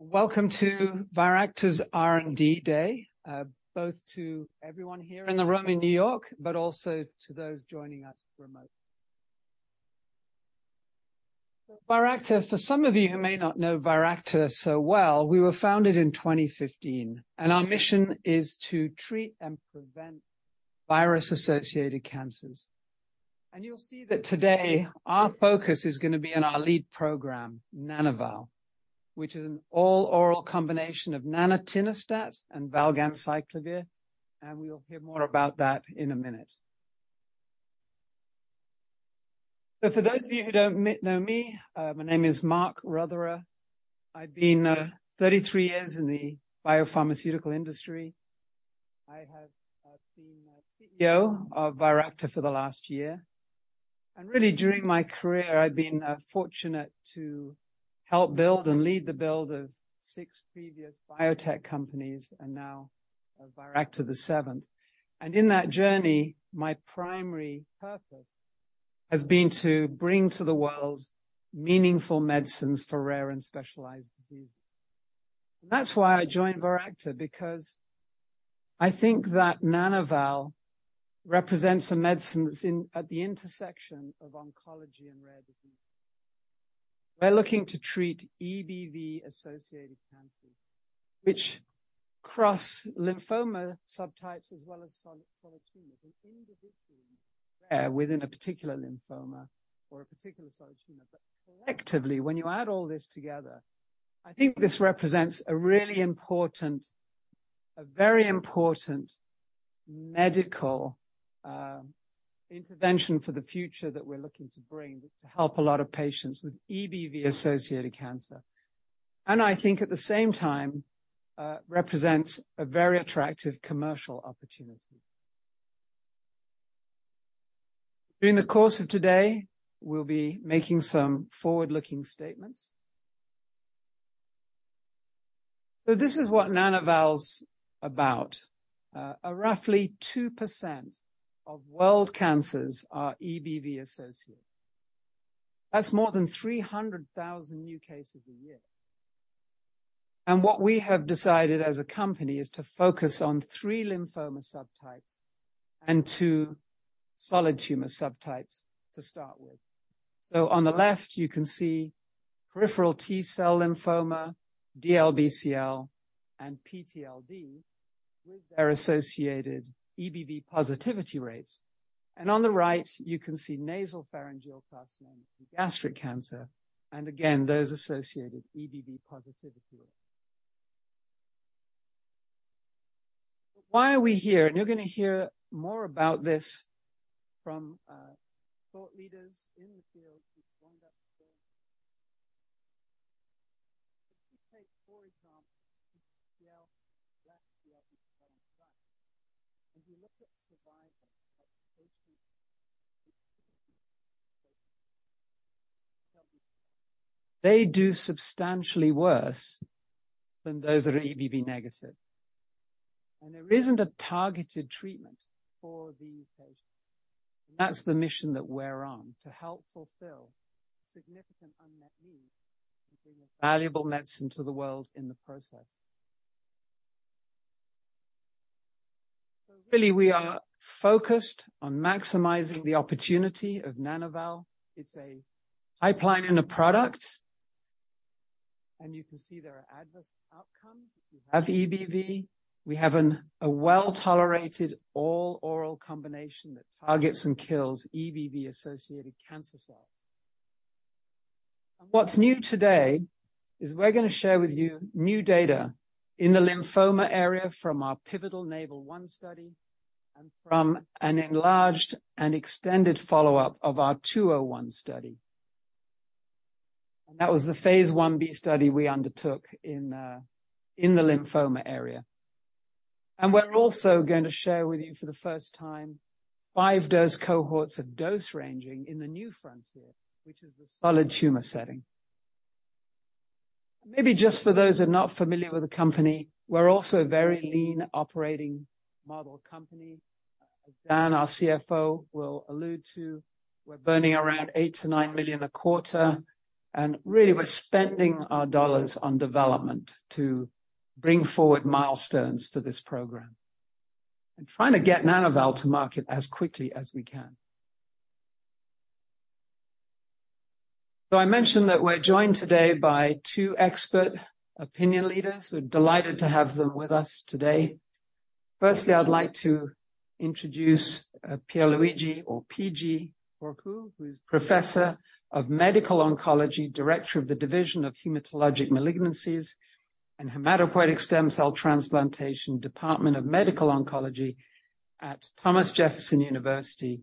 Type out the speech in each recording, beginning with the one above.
Welcome to Viracta's R&D Day, both to everyone here in the room in New York, but also to those joining us remotely. Viracta, for some of you who may not know Viracta so well, we were founded in 2015, and our mission is to treat and prevent virus-associated cancers. You'll see that today, our focus is gonna be on our lead program, Nana-val, which is an all-oral combination of nanatinostat and valganciclovir, and we'll hear more about that in a minute. For those of you who don't know me, my name is Mark Rothera. I've been 33 years in the biopharmaceutical industry. I have been CEO of Viracta for the last year, and really, during my career, I've been fortunate to help build and lead the build of 6 previous biotech companies and now, Viracta, the 7th. In that journey, my primary purpose has been to bring to the world meaningful medicines for rare and specialized diseases. That's why I joined Viracta, because I think that Nana-val represents a medicine that's in at the intersection of oncology and rare disease. We're looking to treat EBV-associated cancers, which cross lymphoma subtypes as well as solid tumors and individually, within a particular lymphoma or a particular solid tumor. But collectively, when you add all this together, I think this represents a really important, a very important medical intervention for the future that we're looking to bring to help a lot of patients with EBV-associated cancer. And I think at the same time, represents a very attractive commercial opportunity. During the course of today, we'll be making some forward-looking statements. So this is what Nana-val's about. Roughly 2% of world cancers are EBV-associated. That's more than 300,000 new cases a year. And what we have decided as a company is to focus on three lymphoma subtypes and two solid tumor subtypes to start with. So on the left, you can see peripheral T-cell lymphoma, DLBCL, and PTLD with their associated EBV positivity rates. And on the right, you can see nasopharyngeal carcinoma and gastric cancer, and again, those associated EBV positivity rates. Why are we here? And you're gonna hear more about this from thought leaders in the field who've wound up. For example, DLBCL, left, DLBCL right, and we look at survival, they do substantially worse than those that are EBV negative, and there isn't a targeted treatment for these patients. That's the mission that we're on, to help fulfill significant unmet needs and bring a valuable medicine to the world in the process. Really, we are focused on maximizing the opportunity of Nana-val. It's a pipeline in a product, and you can see there are adverse outcomes. We have EBV, we have an, a well-tolerated, all-oral combination that targets and kills EBV-associated cancer cells. What's new today is we're gonna share with you new data in the lymphoma area from our pivotal NAVAL-1 study and from an enlarged and extended follow-up of our 201 study. And that was the phase Ib study we undertook in, in the lymphoma area. And we're also going to share with you for the first time, five dose cohorts of dose ranging in the new frontier, which is the solid tumor setting. Maybe just for those who are not familiar with the company, we're also a very lean operating model company. Dan, our CFO, will allude to, we're burning around $8 million-$9 million a quarter, and really, we're spending our dollars on development to bring forward milestones for this program and trying to get Nana-val to market as quickly as we can. So I mentioned that we're joined today by two expert opinion leaders. We're delighted to have them with us today. Firstly, I'd like to introduce Pierluigi, or PG, Porcu, who is Professor of Medical Oncology, Director of the Division of Hematologic Malignancies and Hematopoietic Stem Cell Transplantation, Department of Medical Oncology at Thomas Jefferson University.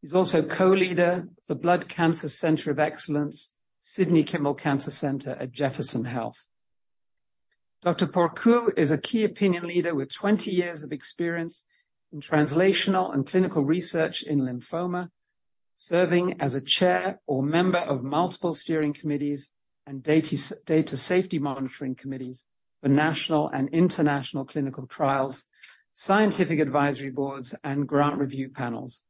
He's also co-leader of the Blood Cancer Center of Excellence, Sidney Kimmel Cancer Center at Jefferson Health. Dr. Porcu is a key opinion leader with 20 years of experience in translational and clinical research in lymphoma, serving as a chair or member of multiple steering committees and data safety monitoring committees for national and international clinical trials, scientific advisory boards, and grant review panels.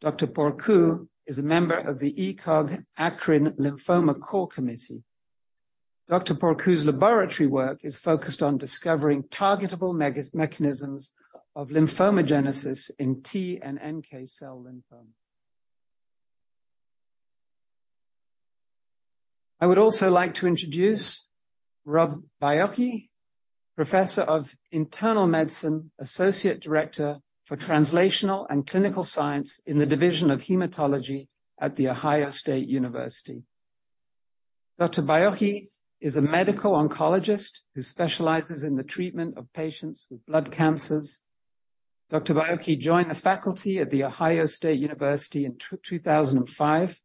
Dr. Porcu is a member of the ECOG-ACRIN Lymphoma Core Committee. Dr. Porcu's laboratory work is focused on discovering targetable mechanisms of lymphomagenesis in T and NK cell lymphomas. I would also like to introduce Rob Baiocchi, Professor of Internal Medicine, Associate Director for Translational and Clinical Science in the Division of Hematology at The Ohio State University. Dr. Baiocchi is a medical oncologist who specializes in the treatment of patients with blood cancers. Dr. Baiocchi joined the faculty at The Ohio State University in 2005,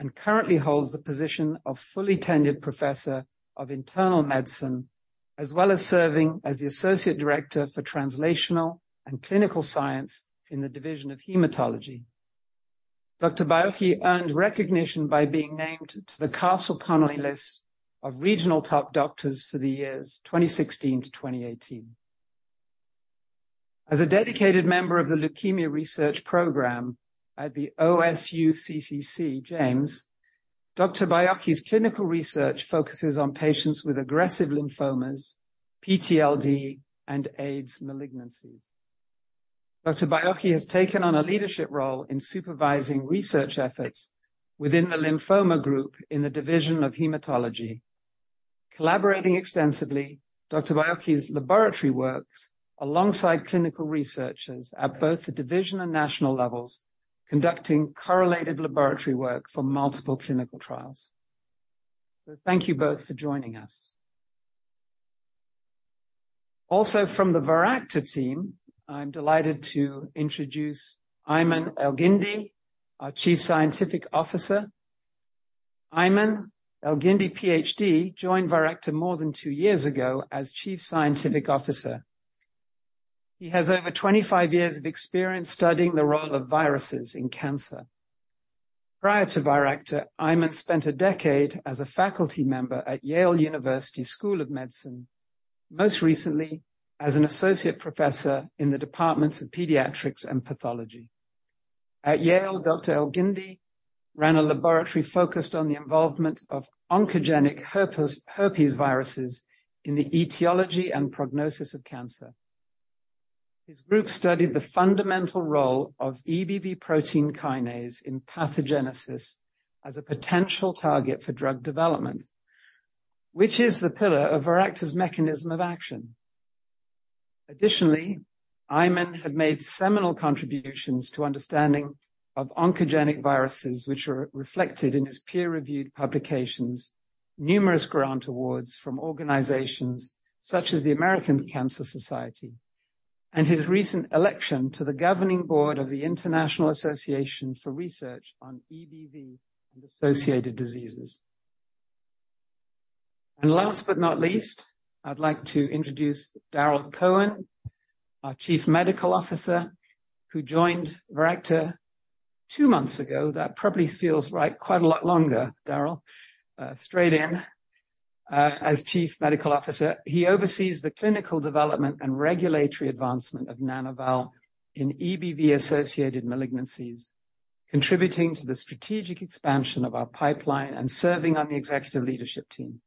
and currently holds the position of fully tenured Professor of Internal Medicine, as well as serving as the Associate Director for Translational and Clinical Science in the Division of Hematology. Dr. Baiocchi earned recognition by being named to the Castle Connolly list of regional top doctors for the years 2016 to 2018. As a dedicated member of the Leukemia Research Program at the OSU CCC James, Dr. Baiocchi's clinical research focuses on patients with aggressive lymphomas, PTLD, and AIDS malignancies. Dr. Baiocchi has taken on a leadership role in supervising research efforts within the lymphoma group in the Division of Hematology. Collaborating extensively, Dr. Baiocchi's laboratory works alongside clinical researchers at both the division and national levels, conducting correlated laboratory work for multiple clinical trials. Thank you both for joining us. Also from the Viracta team, I'm delighted to introduce Ayman El-Guindy, our Chief Scientific Officer. Ayman El-Guindy, Ph.D., joined Viracta more than two years ago as Chief Scientific Officer. He has over 25 years of experience studying the role of viruses in cancer. Prior to Viracta, Ayman spent a decade as a faculty member at Yale University School of Medicine, most recently as an associate professor in the Departments of Pediatrics and Pathology. At Yale, Dr. El-Guindy ran a laboratory focused on the involvement of oncogenic herpes viruses in the etiology and prognosis of cancer. His group studied the fundamental role of EBV protein kinase in pathogenesis as a potential target for drug development, which is the pillar of Viracta's mechanism of action. Additionally, Ayman had made seminal contributions to understanding of oncogenic viruses, which are reflected in his peer-reviewed publications, numerous grant awards from organizations such as the American Cancer Society, and his recent election to the governing board of the International Association for Research on EBV and Associated Diseases. And last but not least, I'd like to introduce Darrel Cohen, our Chief Medical Officer, who joined Viracta two months ago. That probably feels like quite a lot longer, Darrel, straight in. As Chief Medical Officer, he oversees the clinical development and regulatory advancement of Nana-val in EBV-associated malignancies, contributing to the strategic expansion of our pipeline and serving on the executive leadership team.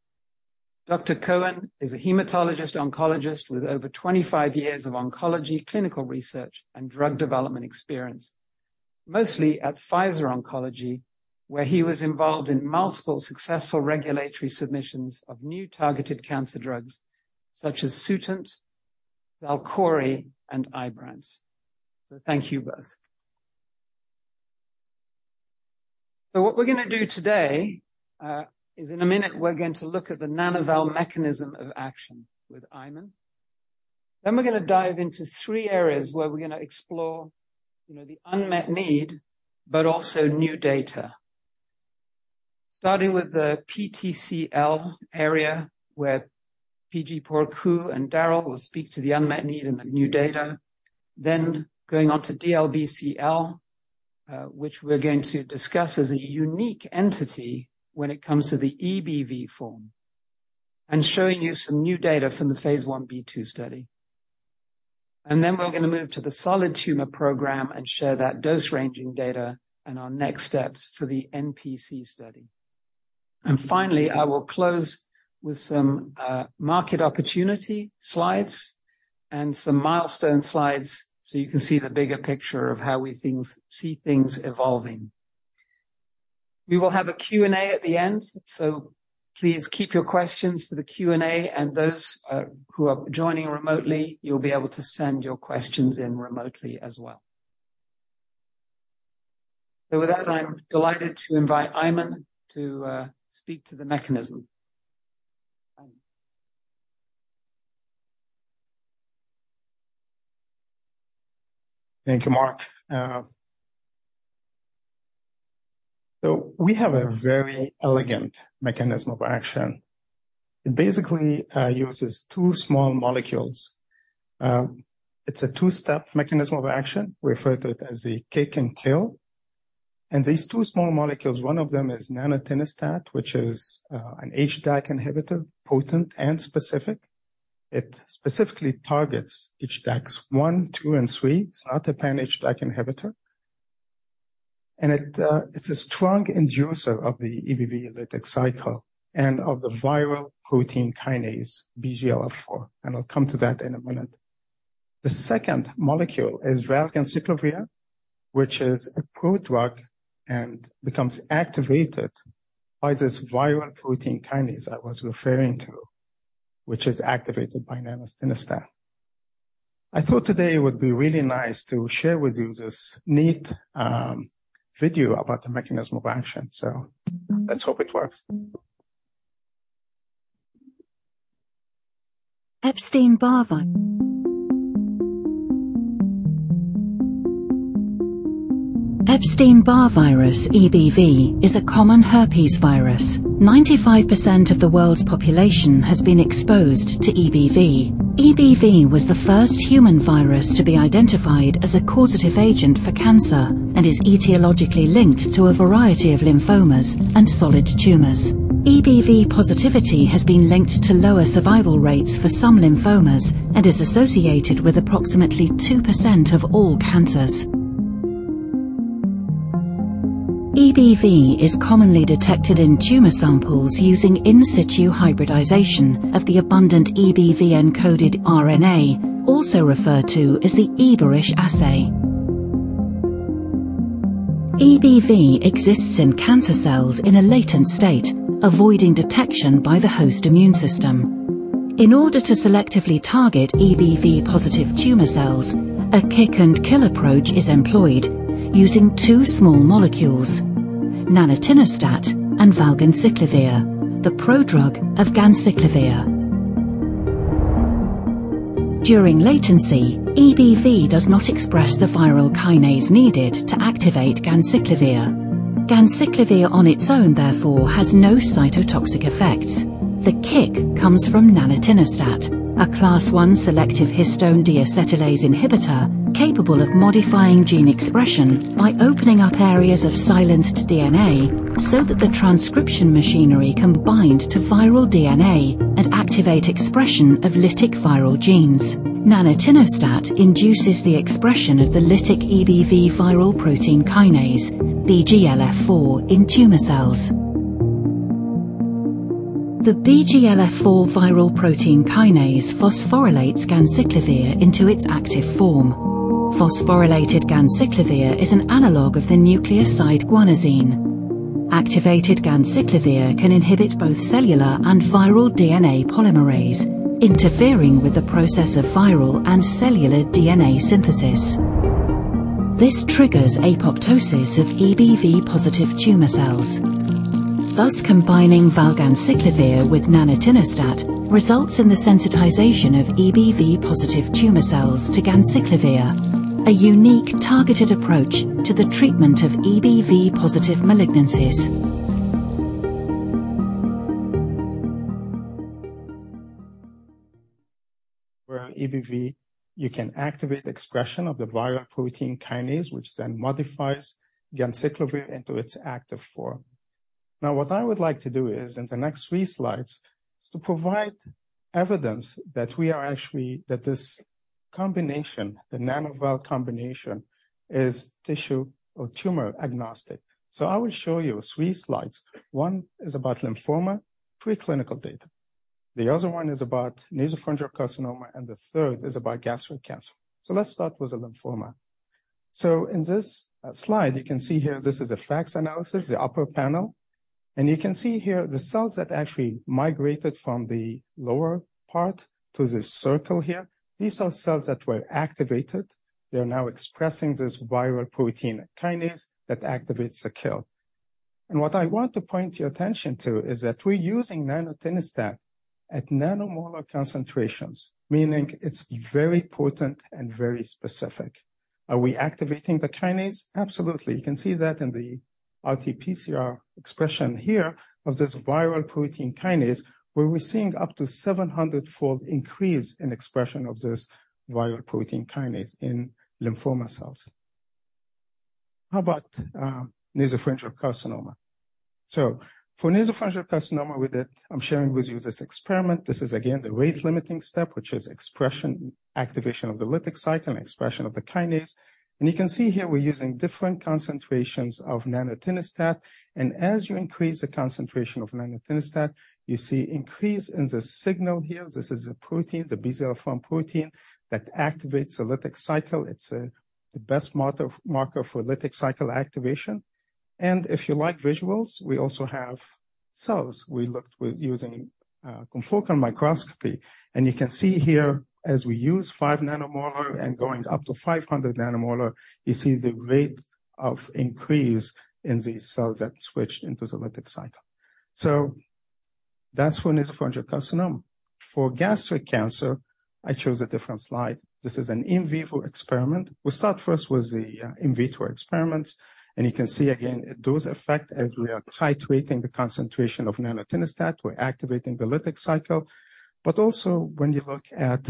Dr. Cohen is a hematologist oncologist with over 25 years of oncology, clinical research, and drug development experience, mostly at Pfizer Oncology, where he was involved in multiple successful regulatory submissions of new targeted cancer drugs such as Sutent, Xalkori, and Ibrance. So thank you both. What we're going to do today is in a minute, we're going to look at the Nana-val mechanism of action with Ayman. Then we're going to dive into three areas where we're going to explore, you know, the unmet need, but also new data. Starting with the PTCL area, where Pierluigi Porcu and Darrel will speak to the unmet need and the new data. Then going on to DLBCL, which we're going to discuss as a unique entity when it comes to the EBV form, and showing you some new data from the phase Ib/2 study. And then we're going to move to the solid tumor program and share that dose-ranging data and our next steps for the NPC study. And finally, I will close with some market opportunity slides and some milestone slides, so you can see the bigger picture of how we see things evolving. We will have a Q&A at the end, so please keep your questions for the Q&A, and those who are joining remotely, you'll be able to send your questions in remotely as well. So with that, I'm delighted to invite Ayman to speak to the mechanism. Ayman? Thank you, Mark. So we have a very elegant mechanism of action. It basically uses two small molecules. It's a two-step mechanism of action. We refer to it as the kick and kill. And these two small molecules, one them is nanatinostat, which is an HDAC inhibitor, potent and specific. It specifically targets HDACs one, two, and three. It's not a pan-HDAC inhibitor. And it it's a strong inducer of the EBV lytic cycle and of the viral protein kinase BGLF4, and I'll come to that in a minute. The second molecule is valganciclovir, which is a prodrug and becomes activated by this viral protein kinase I was referring to, which is activated by nanatinostat. I thought today it would be really nice to share with you this neat video about the mechanism of action. So let's hope it works. Epstein-Barr virus, EBV, is a common herpes virus. 95% of the world's population has been exposed to EBV. EBV was the first human virus to be identified as a causative agent for cancer and is etiologically linked to a variety of lymphomas and solid tumors. EBV positivity has been linked to lower survival rates for some lymphomas and is associated with approximately 2% of all cancers. EBV is commonly detected in tumor samples using in situ hybridization of the abundant EBV-encoded RNA, also referred to as the EBER ISH assay. EBV exists in cancer cells in a latent state, avoiding detection by the host immune system. In order to selectively target EBV-positive tumor cells, a kick-and-kill approach is employed using two small molecules: nanatinostat and valganciclovir, the prodrug of ganciclovir. During latency, EBV does not express the viral kinase needed to activate ganciclovir. Ganciclovir on its own, therefore, has no cytotoxic effects. The kick comes from nanatinostat, a class I selective histone deacetylase inhibitor, capable of modifying gene expression by opening up areas of silenced DNA so that the transcription machinery can bind to viral DNA and activate expression of lytic viral genes. Nanatinostat induces the expression of the lytic EBV viral protein kinase, BGLF4, in tumor cells. The BGLF4 viral protein kinase phosphorylates ganciclovir into its active form. Phosphorylated ganciclovir is an analog of the nucleoside guanosine. Activated ganciclovir can inhibit both cellular and viral DNA polymerase, interfering with the process of viral and cellular DNA synthesis. This triggers apoptosis of EBV-positive tumor cells. Thus, combining valganciclovir with nanatinostat results in the sensitization of EBV-positive tumor cells to ganciclovir, a unique targeted approach to the treatment of EBV-positive malignancies. Where on EBV, you can activate expression of the viral protein kinase, which then modifies ganciclovir into its active form. Now, what I would like to do is, in the next three slides, is to provide evidence that we are actually, that this combination, the Nana-val combination, is tissue or tumor agnostic. So I will show you three slides. One is about lymphoma, preclinical data. The other one is about nasopharyngeal carcinoma, and the third is about gastric cancer. So let's start with the lymphoma. So in this slide, you can see here, this is a FACS analysis, the upper panel. And you can see here the cells that actually migrated from the lower part to the circle here. These are cells that were activated. They are now expressing this viral protein kinase that activates the kill. And what I want to point your attention to is that we're using nanatinostat at nanomolar concentrations, meaning it's very potent and very specific. Are we activating the kinase? Absolutely. You can see that in the RT-PCR expression here of this viral protein kinase, where we're seeing up to 700-fold increase in expression of this viral protein kinase in lymphoma cells. How about nasopharyngeal carcinoma? So for nasopharyngeal carcinoma, with it, I'm sharing with you this experiment. This is again, the rate-limiting step, which is expression, activation of the lytic cycle and expression of the kinase. And you can see here we're using different concentrations of nanatinostat. And as you increase the concentration of nanatinostat, you see increase in the signal here. This is a protein, the BGLF4 protein, that activates the lytic cycle. It's the best marker for lytic cycle activation. If you like visuals, we also have cells we looked with using confocal microscopy. And you can see here, as we use five nanomolar and going up to 500 nanomolar, you see the rate of increase in these cells that switch into the lytic cycle. So that's for nasopharyngeal carcinoma. For gastric cancer, I chose a different slide. This is an in vivo experiment. We'll start first with the in vitro experiments, and you can see again, it does affect as we are titrating the concentration of nanatinostat, we're activating the lytic cycle. But also when you look at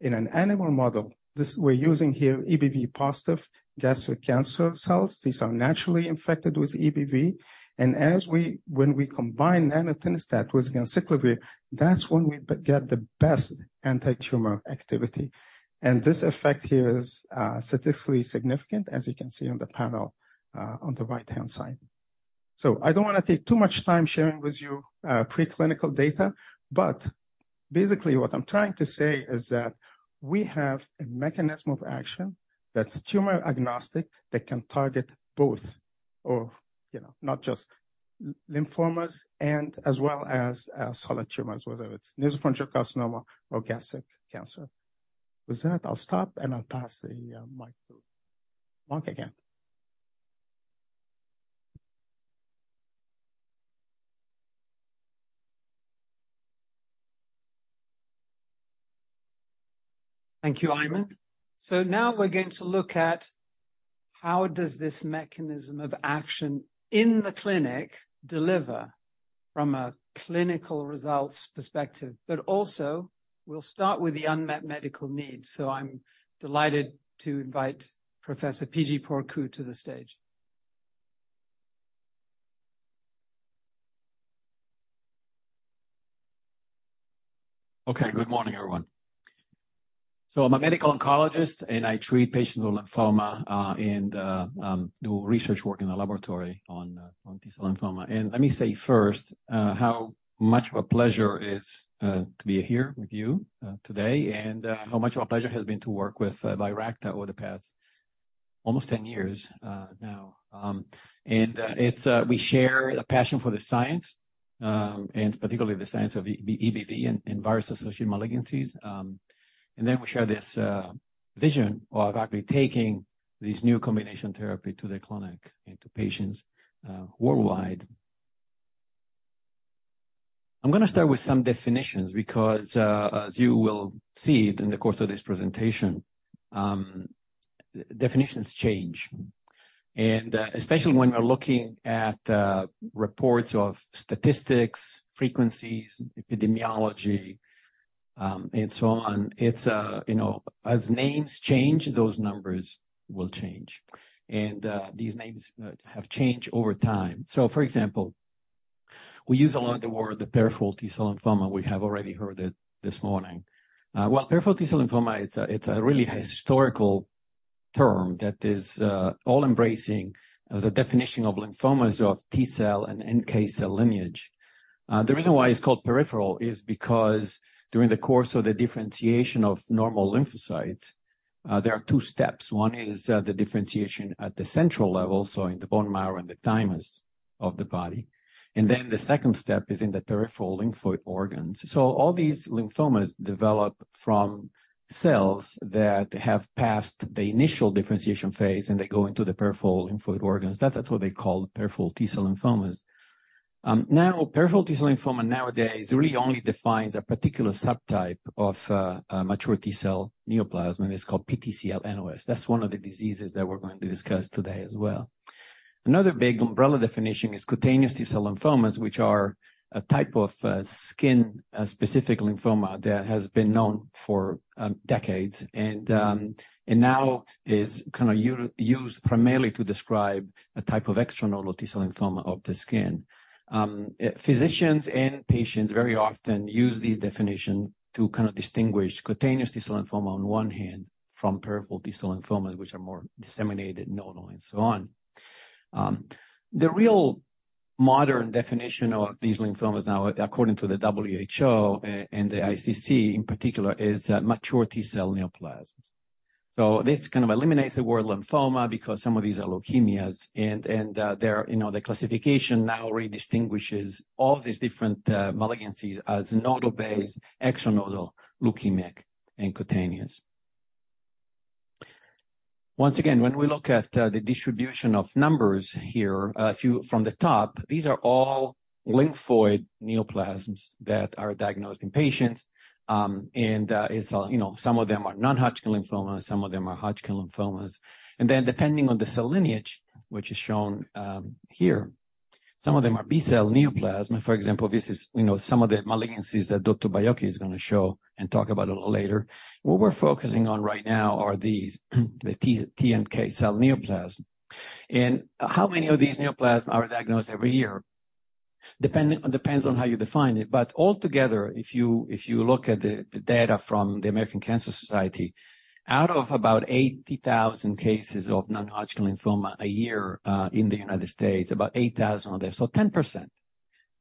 in an animal model, this, we're using here EBV-positive gastric cancer cells. These are naturally infected with EBV, and as we, when we combine nanatinostat with ganciclovir, that's when we get the best antitumor activity. This effect here is statistically significant, as you can see on the panel on the right-hand side. So I don't want to take too much time sharing with you preclinical data, but basically what I'm trying to say is that we have a mechanism of action that's tumor agnostic, that can target both or, you know, not just l-lymphomas and as well as solid tumors, whether it's nasopharyngeal carcinoma or gastric cancer. With that, I'll stop, and I'll pass the mic to Mark again. Thank you, Ayman. So now we're going to look at how does this mechanism of action in the clinic deliver from a clinical results perspective, but also we'll start with the unmet medical needs. So I'm delighted to invite Professor Pierluigi Porcu to the stage. Okay, good morning, everyone. So I'm a medical oncologist, and I treat patients with lymphoma, and do research work in the laboratory on T-cell lymphoma. Let me say first, how much of a pleasure it is to be here with you today, and how much of a pleasure it has been to work with Viracta over the past almost 10 years now. It's we share a passion for the science, and particularly the science of EBV and virus-associated malignancies. And then we share this vision of actually taking this new combination therapy to the clinic and to patients worldwide. I'm gonna start with some definitions because, as you will see in the course of this presentation, definitions change, and, especially when we're looking at, reports of statistics, frequencies, epidemiology, and so on. It's, you know, as names change, those numbers will change. These names have changed over time. So, for example, we use a lot of the word, the peripheral T-cell lymphoma. We have already heard it this morning. Well, peripheral T-cell lymphoma, it's a really historical term that is all-embracing as a definition of lymphomas of T-cell and NK-cell lineage. The reason why it's called peripheral is because during the course of the differentiation of normal lymphocytes, there are two steps. One is the differentiation at the central level, so in the bone marrow and the thymus of the body. Then the second step is in the peripheral lymphoid organs. All these lymphomas develop from cells that have passed the initial differentiation phase, and they go into the peripheral lymphoid organs. That, that's what they call peripheral T-cell lymphomas. Now, peripheral T-cell lymphoma nowadays really only defines a particular subtype of a mature T-cell neoplasm, and it's called PTCL-NOS. That's one of the diseases that we're going to discuss today as well. Another big umbrella definition is cutaneous T-cell lymphomas, which are a type of skin specific lymphoma that has been known for decades and now is kind of used primarily to describe a type of extranodal T-cell lymphoma of the skin. Physicians and patients very often use this definition to kind of distinguish cutaneous T-cell lymphoma on one hand from peripheral T-cell lymphomas, which are more disseminated, nodal and so on. The real modern definition of these lymphomas now, according to the WHO and, and the ICC in particular, is mature T-cell neoplasms. So this kind of eliminates the word lymphoma because some of these are leukemias and, and, their, you know, the classification now really distinguishes all these different, malignancies as nodal-based, extranodal, leukemic, and cutaneous. Once again, when we look at the distribution of numbers here, a few from the top, these are all lymphoid neoplasms that are diagnosed in patients. And, it's, you know, some of them are non-Hodgkin lymphoma, some of them are Hodgkin lymphomas. And then, depending on the cell lineage, which is shown here, some of them are B-cell neoplasm. For example, this is, you know, some of the malignancies that Dr. Baiocchi is gonna show and talk about a little later. What we're focusing on right now are these, the T and NK cell neoplasm. And how many of these neoplasms are diagnosed every year? Depends on how you define it, but altogether, if you look at the data from the American Cancer Society, out of about 80,000 cases of non-Hodgkin lymphoma a year in the United States, about 8,000 of them, so 10%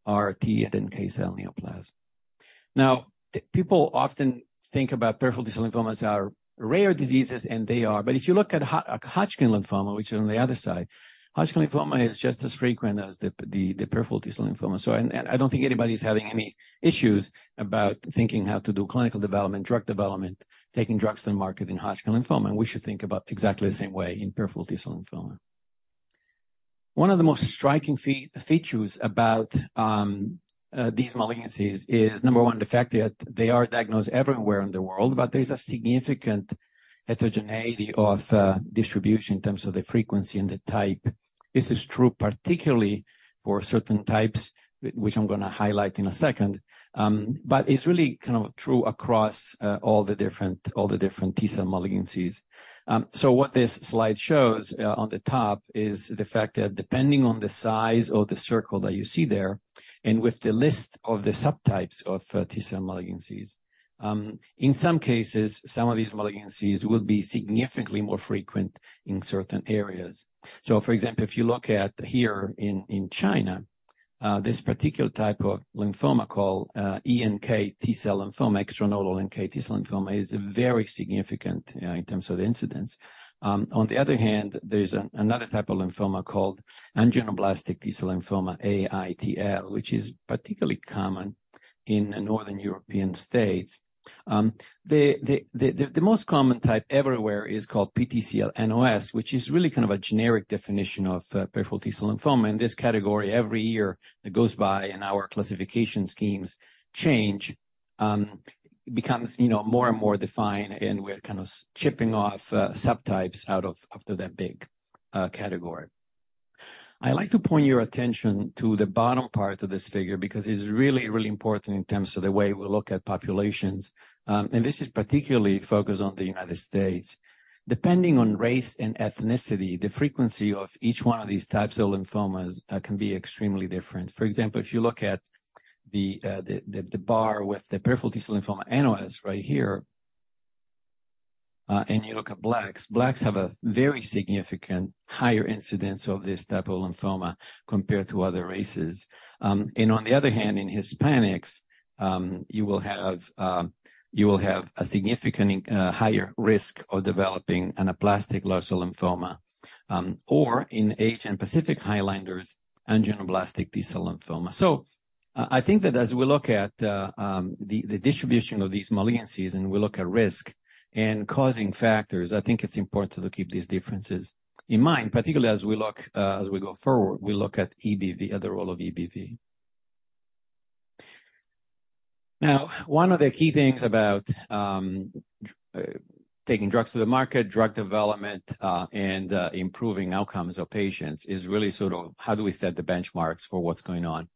are T and NK cell neoplasm. Now, people often think about peripheral T-cell lymphomas are rare diseases, and they are. But if you look at Hodgkin lymphoma, which is on the other side, Hodgkin lymphoma is just as frequent as the peripheral T-cell lymphoma. So I don't think anybody's having any issues about thinking how to do clinical development, drug development, taking drugs to market in Hodgkin lymphoma, and we should think about exactly the same way in peripheral T-cell lymphoma. One of the most striking features about these malignancies is, number one, the fact that they are diagnosed everywhere in the world, but there is a significant heterogeneity of distribution in terms of the frequency and the type. This is true particularly for certain types, which I'm going to highlight in a second. But it's really kind of true across all the different, all the different T-cell malignancies. So what this slide shows, on the top is the fact that depending on the size of the circle that you see there, and with the list of the subtypes of T-cell malignancies, in some cases, some of these malignancies will be significantly more frequent in certain areas. So for example, if you look at here in China, this particular type of lymphoma called ENK T-cell lymphoma, extranodal NK T-cell lymphoma, is very significant in terms of incidence. On the other hand, there's another type of lymphoma called angioimmunoblastic T-cell lymphoma, AITL, which is particularly common in the Northern European states. The most common type everywhere is called PTCL NOS, which is really kind of a generic definition of peripheral T-cell lymphoma. In this category, every year that goes by and our classification schemes change, becomes, you know, more and more defined, and we're kind of chipping off subtypes out of that big category. I'd like to point your attention to the bottom part of this figure, because it's really, really important in terms of the way we look at populations, and this is particularly focused on the United States. Depending on race and ethnicity, the frequency of each one of these types of lymphomas can be extremely different. For example, if you look at the bar with the peripheral T-cell lymphoma, NOS right here, and you look at Blacks, Blacks have a very significant higher incidence of this type of lymphoma compared to other races. And on the other hand, in Hispanics, you will have, you will have a significant higher risk of developing anaplastic large cell lymphoma, or in Asian Pacific Islanders, angioimmunoblastic T-cell lymphoma. So I, I think that as we look at the distribution of these malignancies and we look at risk and causing factors, I think it's important to keep these differences in mind, particularly as we look, as we go forward, we look at EBV, at the role of EBV. Now, one of the key things about taking drugs to the market, drug development, and improving outcomes of patients is really sort of how do we set the benchmarks for what's going on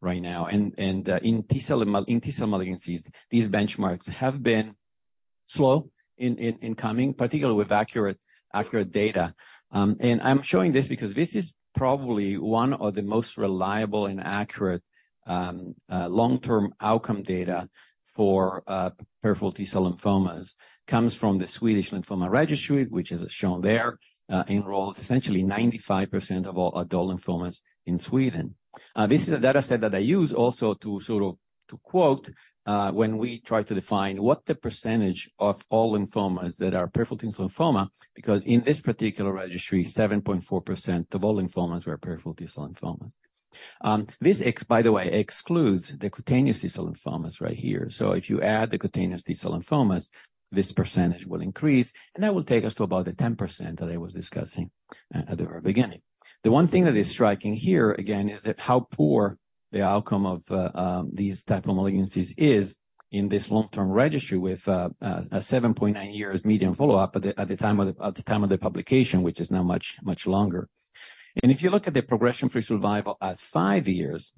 right now? And in T-cell malignancies, these benchmarks have been slow in coming, particularly with accurate data. I'm showing this because this is probably one of the most reliable and accurate long-term outcome data for peripheral T-cell lymphomas, comes from the Swedish Lymphoma Registry, which is shown there, enrolls essentially 95% of all adult lymphomas in Sweden. This is a data set that I use also to sort of to quote when we try to define what the percentage of all lymphomas that are peripheral T lymphoma, because in this particular registry, 7.4% of all lymphomas were peripheral T-cell lymphomas. This, by the way, excludes the cutaneous T-cell lymphomas right here. So if you add the cutaneous T-cell lymphomas, this percentage will increase, and that will take us to about the 10% that I was discussing at the very beginning. The one thing that is striking here, again, is that how poor the outcome of these type of malignancies is in this long-term registry with a 7.9 years median follow-up at the time of the publication, which is now much, much longer. And if you look at the progression-free survival at five years,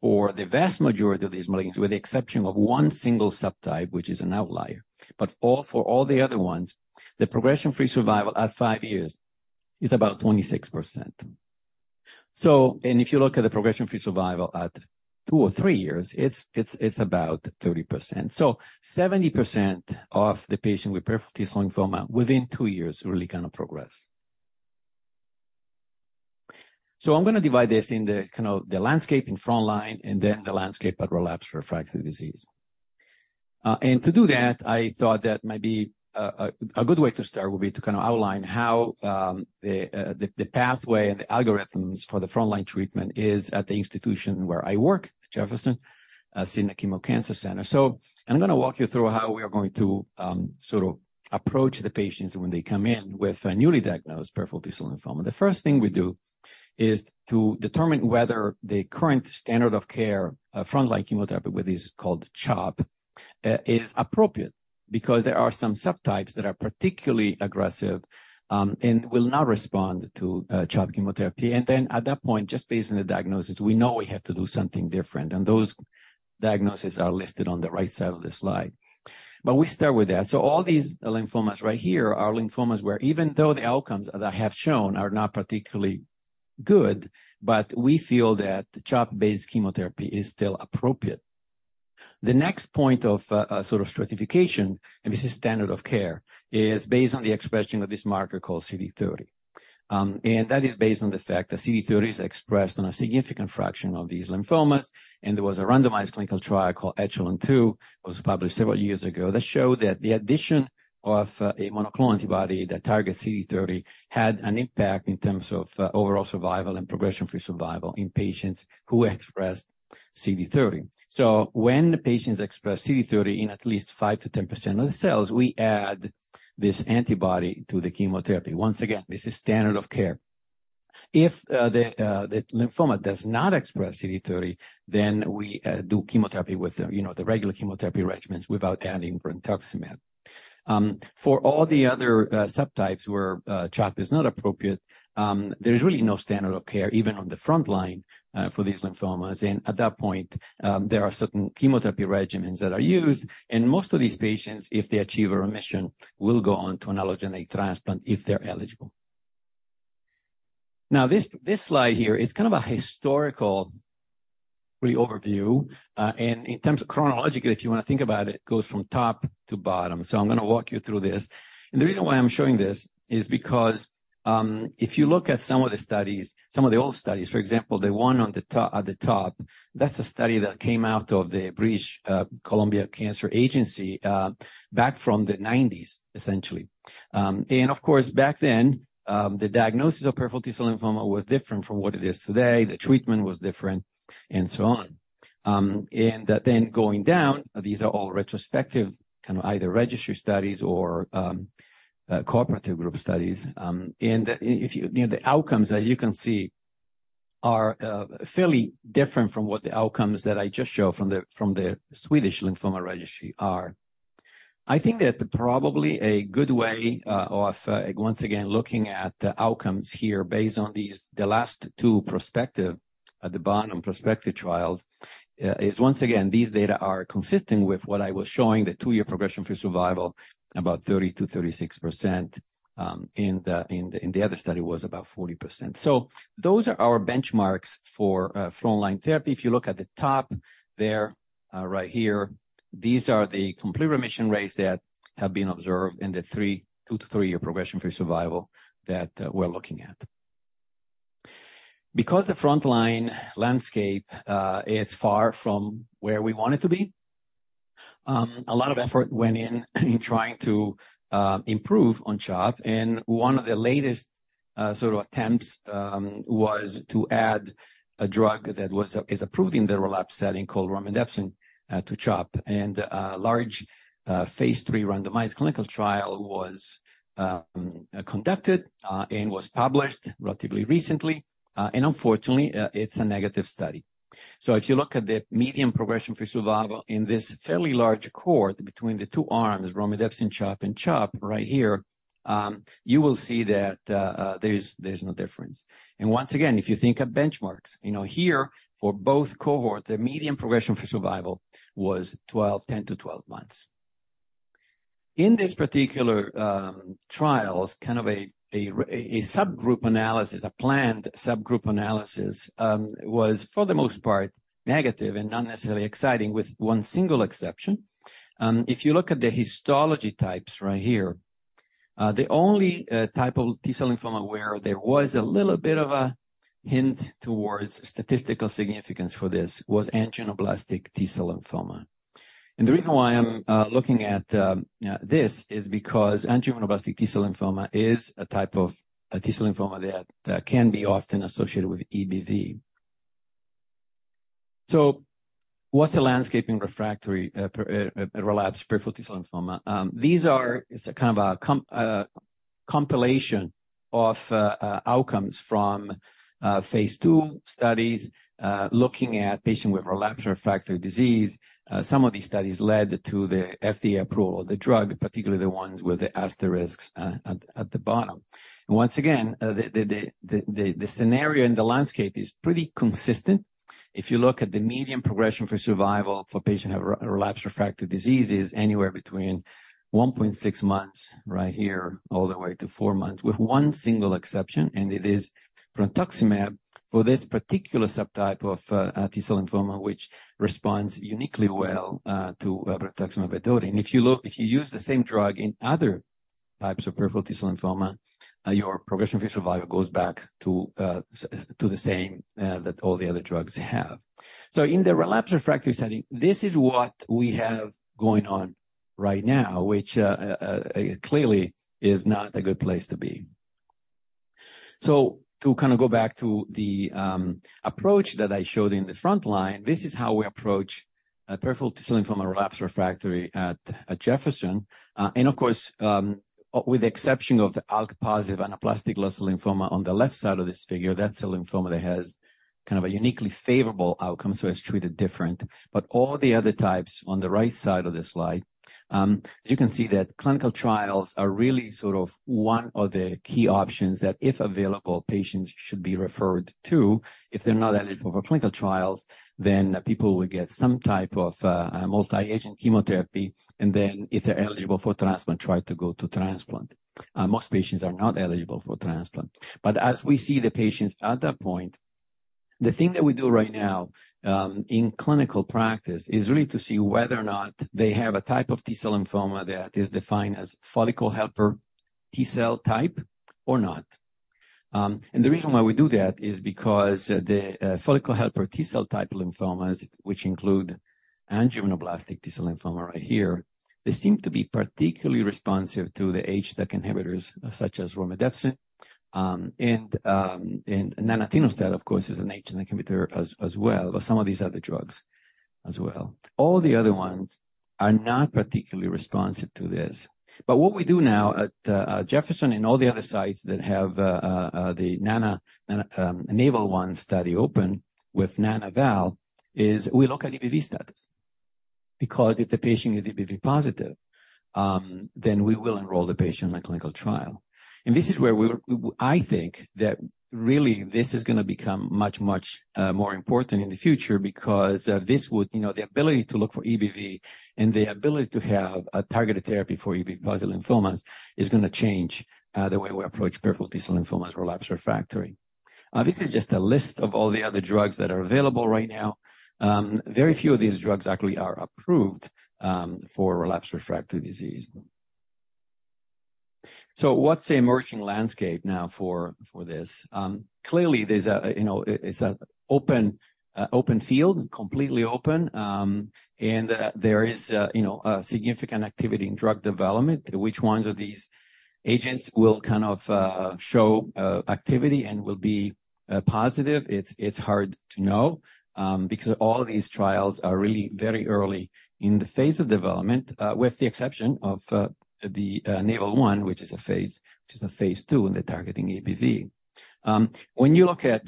for the vast majority of these malignancies, with the exception of one single subtype, which is an outlier, but all, for all the other ones, the progression-free survival at five years is about 26%. And if you look at the progression-free survival at two or three years, it's about 30%. So 70% of the patient with peripheral T-cell lymphoma, within two years, really kind of progress. So I'm gonna divide this into the kind of landscape in frontline and then the landscape at relapse/refractory disease. And to do that, I thought that maybe a good way to start would be to kind of outline how the pathway and the algorithms for the frontline treatment is at the institution where I work, Jefferson Sidney Kimmel Cancer Center. So I'm gonna walk you through how we are going to sort of approach the patients when they come in with a newly diagnosed peripheral T-cell lymphoma. The first thing we do is to determine whether the current standard of care frontline chemotherapy, which is called CHOP, is appropriate because there are some subtypes that are particularly aggressive and will not respond to CHOP chemotherapy. And then, at that point, just based on the diagnosis, we know we have to do something different, and those diagnoses are listed on the right side of the slide. We start with that. All these lymphomas right here are lymphomas, where even though the outcomes, as I have shown, are not particularly good, but we feel that the CHOP-based chemotherapy is still appropriate. The next point of sort of stratification, and this is standard of care, is based on the expression of this marker called CD30. And that is based on the fact that CD30 is expressed on a significant fraction of these lymphomas, and there was a randomized clinical trial called ECHELON-2, was published several years ago, that showed that the addition of a monoclonal antibody that targets CD30 had an impact in terms of overall survival and progression-free survival in patients who expressed CD30. So when the patients express CD30 in at least 5%-10% of the cells, we add this antibody to the chemotherapy. Once again, this is standard of care. If the lymphoma does not express CD30, then we do chemotherapy with the you know the regular chemotherapy regimens without adding brentuximab. For all the other subtypes where CHOP is not appropriate, there's really no standard of care, even on the frontline, for these lymphomas. At that point, there are certain chemotherapy regimens that are used, and most of these patients, if they achieve a remission, will go on to an allogeneic transplant if they're eligible. Now, this slide here is kind of a historical overview. In terms of chronologically, if you wanna think about it, goes from top to bottom. I'm gonna walk you through this. The reason why I'm showing this is because, if you look at some of the studies, some of the old studies, for example, the one on the top, at the top, that's a study that came out of the British Columbia Cancer Agency, back from the 1990s, essentially. Of course, back then, the diagnosis of peripheral T-cell lymphoma was different from what it is today, the treatment was different, and so on. And then going down, these are all retrospective, kind of either registry studies or, cooperative group studies. And if you-- You know, the outcomes, as you can see, are, fairly different from what the outcomes that I just showed from the Swedish Lymphoma Registry are. I think that probably a good way, of once again, looking at the outcomes here based on these, the last two prospective, at the bottom, prospective trials, is once again, these data are consistent with what I was showing, the two-year progression-free survival, about 30%-36%, and the other study was about 40%. So those are our benchmarks for, frontline therapy. If you look at the top there, right here, these are the complete remission rates that have been observed in the three, two to three year progression-free survival that we're looking at. Because the frontline landscape is far from where we want it to be, a lot of effort went in, in trying to improve on CHOP, and one of the latest sort of attempts was to add a drug that was, is approved in the relapsed setting called romidepsin to CHOP. And a large phase III randomized clinical trial was conducted and was published relatively recently, and unfortunately, it's a negative study. So if you look at the median progression for survival in this fairly large cohort between the two arms, romidepsin CHOP and CHOP, right here, you will see that, there's no difference. And once again, if you think of benchmarks, you know, here, for both cohort, the median progression for survival was 12, 10-12 months. In this particular, trials, kind of a subgroup analysis, a planned subgroup analysis, was, for the most part, negative and not necessarily exciting, with one single exception. If you look at the histology types right here, the only type of T-cell lymphoma where there was a little bit of a hint towards statistical significance for this was angioimmunoblastic T-cell lymphoma. And the reason why I'm looking at this is because angioimmunoblastic T-cell lymphoma is a type of a T-cell lymphoma that can be often associated with EBV. So what's the landscape in refractory relapsed peripheral T-cell lymphoma? These are... It's a kind of a compilation of outcomes from phase II studies looking at patients with relapsed refractory disease. Some of these studies led to the FDA approval of the drug, particularly the ones with the asterisks at the bottom. And once again, the scenario and the landscape is pretty consistent. If you look at the median progression for survival for patients who have relapsed refractory diseases, anywhere between 1.6 months, right here, all the way to 4 months, with one single exception, and it is brentuximab vedotin for this particular subtype of T-cell lymphoma, which responds uniquely well to brentuximab vedotin. If you look, if you use the same drug in other types of peripheral T-cell lymphoma, your progression for survival goes back to to the same that all the other drugs have. So in the relapsed refractory setting, this is what we have going on right now, which clearly is not a good place to be. So to kind of go back to the approach that I showed in the frontline, this is how we approach peripheral T-cell lymphoma, relapsed/refractory at at Jefferson. And of course, with the exception of the ALK-positive anaplastic large cell lymphoma on the left side of this figure, that's a lymphoma that has kind of a uniquely favorable outcome, so it's treated different. But all the other types on the right side of this slide, as you can see, that clinical trials are really sort of one of the key options that, if available, patients should be referred to. If they're not eligible for clinical trials, then people will get some type of multi-agent chemotherapy, and then if they're eligible for transplant, try to go to transplant. Most patients are not eligible for transplant. But as we see the patients at that point, the thing that we do right now in clinical practice is really to see whether or not they have a type of T-cell lymphoma that is defined as follicular helper T-cell type or not. And the reason why we do that is because the follicular helper T-cell type lymphomas, which include angioimmunoblastic T-cell lymphoma right here, seem to be particularly responsive to the HDAC inhibitors, such as romidepsin, and nanatinostat, of course, is an HDAC inhibitor as well, or some of these other drugs as well. All the other ones are not particularly responsive to this. But what we do now at Jefferson and all the other sites that have the NAVAL-1 study open with Nana-val- As we look at EBV status, because if the patient is EBV positive, then we will enroll the patient in a clinical trial. And this is where I think that really this is gonna become much, much more important in the future, because this would you know the ability to look for EBV and the ability to have a targeted therapy for EBV positive lymphomas is gonna change the way we approach peripheral T-cell lymphomas, relapse refractory. This is just a list of all the other drugs that are available right now. Very few of these drugs actually are approved for relapse refractory disease. So what's the emerging landscape now for this? Clearly, there's you know, it's an open open field, completely open, and there is you know, a significant activity in drug development. Which ones of these agents will kind of show activity and will be positive? It's hard to know because all of these trials are really very early in the phase of development with the exception of the NAVAL-1, which is a phase, which is a phase II in the targeting EBV. When you look at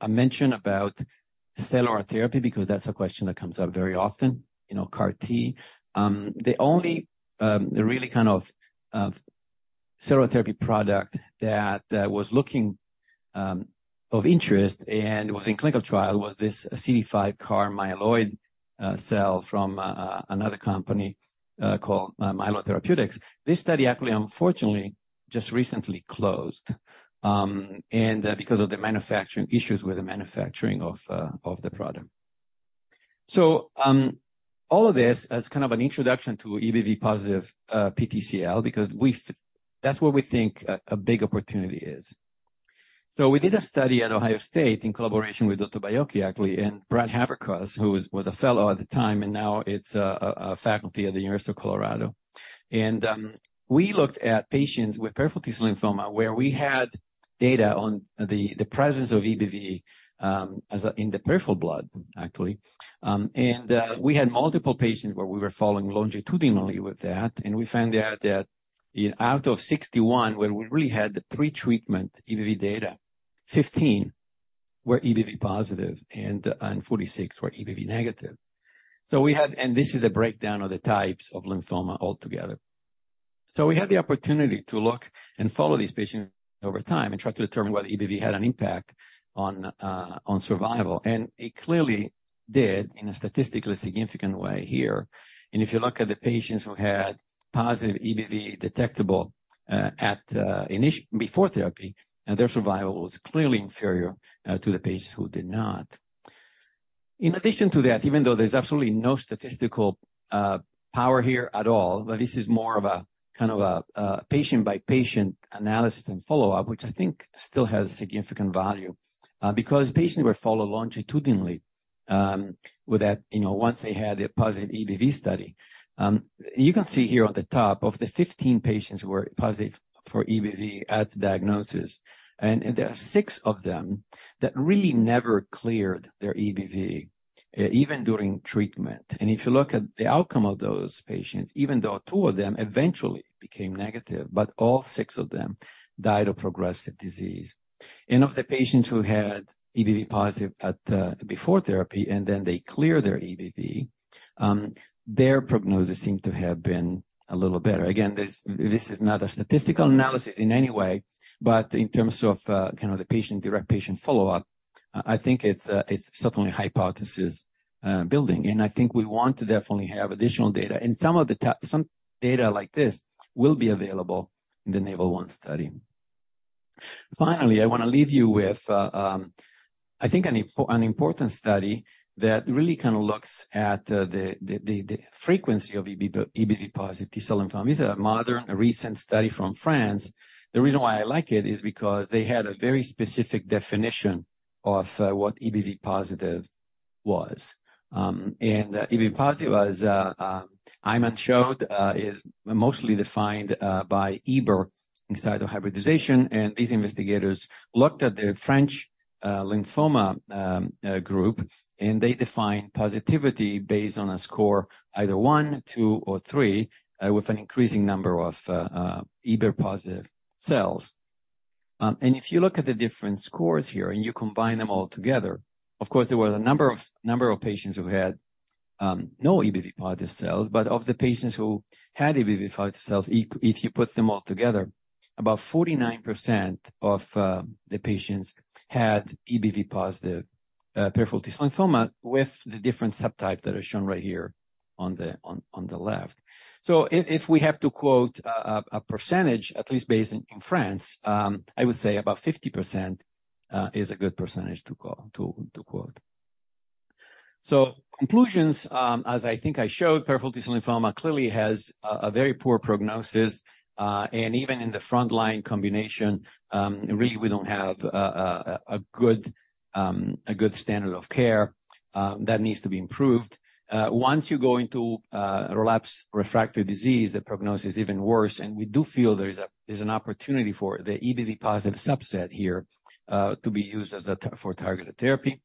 I mention about cellular therapy, because that's a question that comes up very often, you know, CAR T. The only the really kind of cellular therapy product that was looking of interest and was in clinical trial was this CD5 CAR myeloid cell from another company called Myeloid Therapeutics. This study actually, unfortunately, just recently closed and because of the manufacturing issues with the manufacturing of the product. So, all of this as kind of an introduction to EBV-positive PTCL, because that's where we think a big opportunity is. So we did a study at Ohio State in collaboration with Dr. Baiocchi, actually, and Brad Haverkos, who was a fellow at the time, and now is a faculty at the University of Colorado. And we looked at patients with peripheral T-cell lymphoma, where we had data on the presence of EBV in the peripheral blood, actually. And we had multiple patients where we were following longitudinally with that, and we found out that out of 61, where we really had the pre-treatment EBV data, 15 were EBV-positive and 46 were EBV-negative. So we had... And this is a breakdown of the types of lymphoma altogether. We had the opportunity to look and follow these patients over time and try to determine whether EBV had an impact on survival. It clearly did in a statistically significant way here. If you look at the patients who had positive EBV detectable before therapy, their survival was clearly inferior to the patients who did not. In addition to that, even though there's absolutely no statistical power here at all, but this is more of a kind of patient-by-patient analysis and follow-up, which I think still has significant value, because patients were followed longitudinally with that, you know, once they had a positive EBV study. You can see here on the top of the 15 patients who were positive for EBV at diagnosis, and there are 6 of them that really never cleared their EBV, even during treatment. And if you look at the outcome of those patients, even though two of them eventually became negative, but all six of them died of progressive disease. And of the patients who had EBV positive at before therapy, and then they cleared their EBV, their prognosis seemed to have been a little better. Again, this is not a statistical analysis in any way, but in terms of kind of the patient, direct patient follow-up, I think it's certainly hypothesis building. And I think we want to definitely have additional data. Some of the top, some data like this will be available in the NAVAL-1 study. Finally, I wanna leave you with I think an important study that really kind of looks at the frequency of EBV-positive T-cell lymphoma. This is a modern, recent study from France. The reason why I like it is because they had a very specific definition of what EBV-positive was. And EBV-positive, as I showed, is mostly defined by EBER in situ hybridization, and these investigators looked at the French lymphoma group, and they defined positivity based on a score, either one, two or three, with an increasing number of EBV-positive cells. And if you look at the different scores here, and you combine them all together, of course, there were a number of patients who had no EBV positive cells, but of the patients who had EBV positive cells, if you put them all together, about 49% of the patients had EBV positive peripheral T-cell lymphoma with the different subtypes that are shown right here on the left. So if we have to quote a percentage, at least based in France, I would say about 50% is a good percentage to quote. Conclusions, as I think I showed, peripheral T-cell lymphoma clearly has a very poor prognosis, and even in the front line combination, really, we don't have a good standard of care that needs to be improved. Once you go into relapse refractory disease, the prognosis is even worse, and we do feel there is an opportunity for the EBV positive subset here to be used for targeted therapy.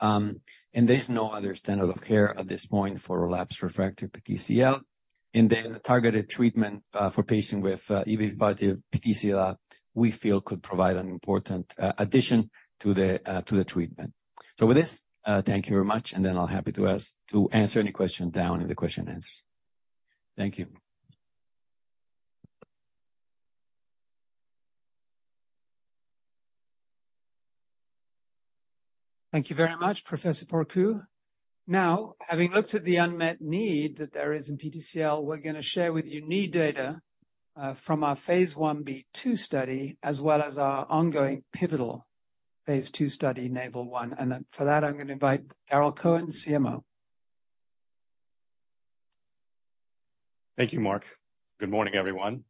And there's no other standard of care at this point for relapse refractory PTCL. and then the targeted treatment for patients with EBV-positive PTCL, we feel could provide an important addition to the treatment. So with this, thank you very much, and then I'll be happy to answer any questions down in the question and answers. Thank you. Thank you very much, Professor Porcu. Now, having looked at the unmet need that there is in PTCL, we're going to share with you new data from our phase Ib/II study, as well as our ongoing pivotal phase II study, NAVAL-1. And then for that, I'm going to invite Darrel Cohen, CMO. Thank you, Mark. Good morning, everyone.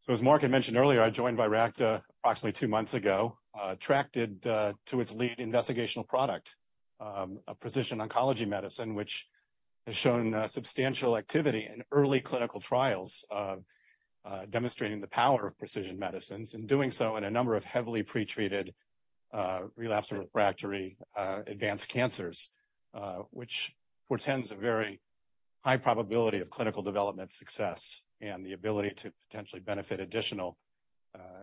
So as Mark had mentioned earlier, I joined Viracta approximately two months ago, attracted to its lead investigational product, a precision oncology medicine, which has shown substantial activity in early clinical trials, demonstrating the power of precision medicines, and doing so in a number of heavily pretreated, relapsed or refractory, advanced cancers. Which portends a very high probability of clinical development success and the ability to potentially benefit additional,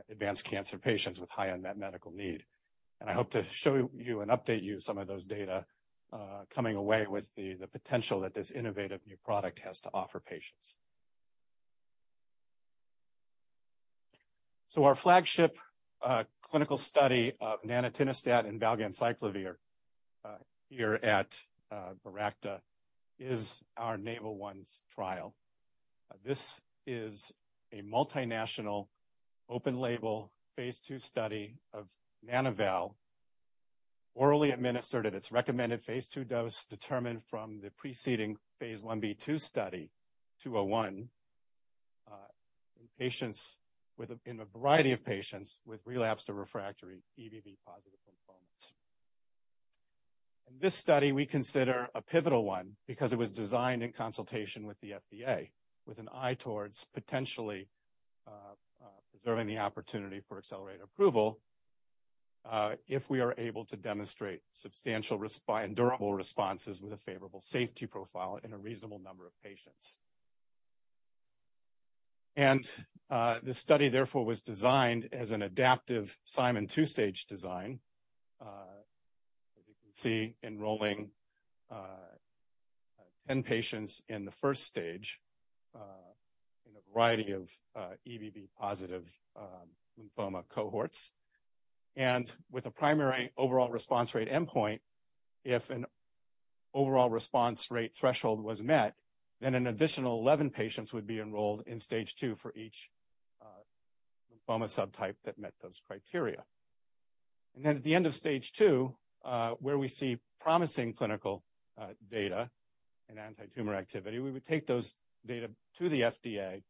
advanced cancer patients with high unmet medical need. And I hope to show you and update you some of those data, coming away with the, the potential that this innovative new product has to offer patients. So our flagship, clinical study of nanatinostat and valganciclovir, here at, Viracta, is our NAVAL-1 trial. This is a multinational, open-label, phase II study of Nana-val, orally administered at its recommended phase II dose, determined from the preceding phase Ib/II study 201, in a variety of patients with relapsed or refractory EBV-positive lymphomas. And this study, we consider a pivotal one, because it was designed in consultation with the FDA, with an eye towards potentially preserving the opportunity for accelerated approval, if we are able to demonstrate substantial and durable responses with a favorable safety profile in a reasonable number of patients. And this study, therefore, was designed as an adaptive Simon two-stage design. As you can see, enrolling 10 patients in the first stage, in a variety of EBV positive lymphoma cohorts, and with a primary overall response rate endpoint, if an overall response rate threshold was met, then an additional 11 patients would be enrolled in Stage II for each lymphoma subtype that met those criteria. Then at the end of Stage II, where we see promising clinical data and antitumor activity, we would take those data to the FDA,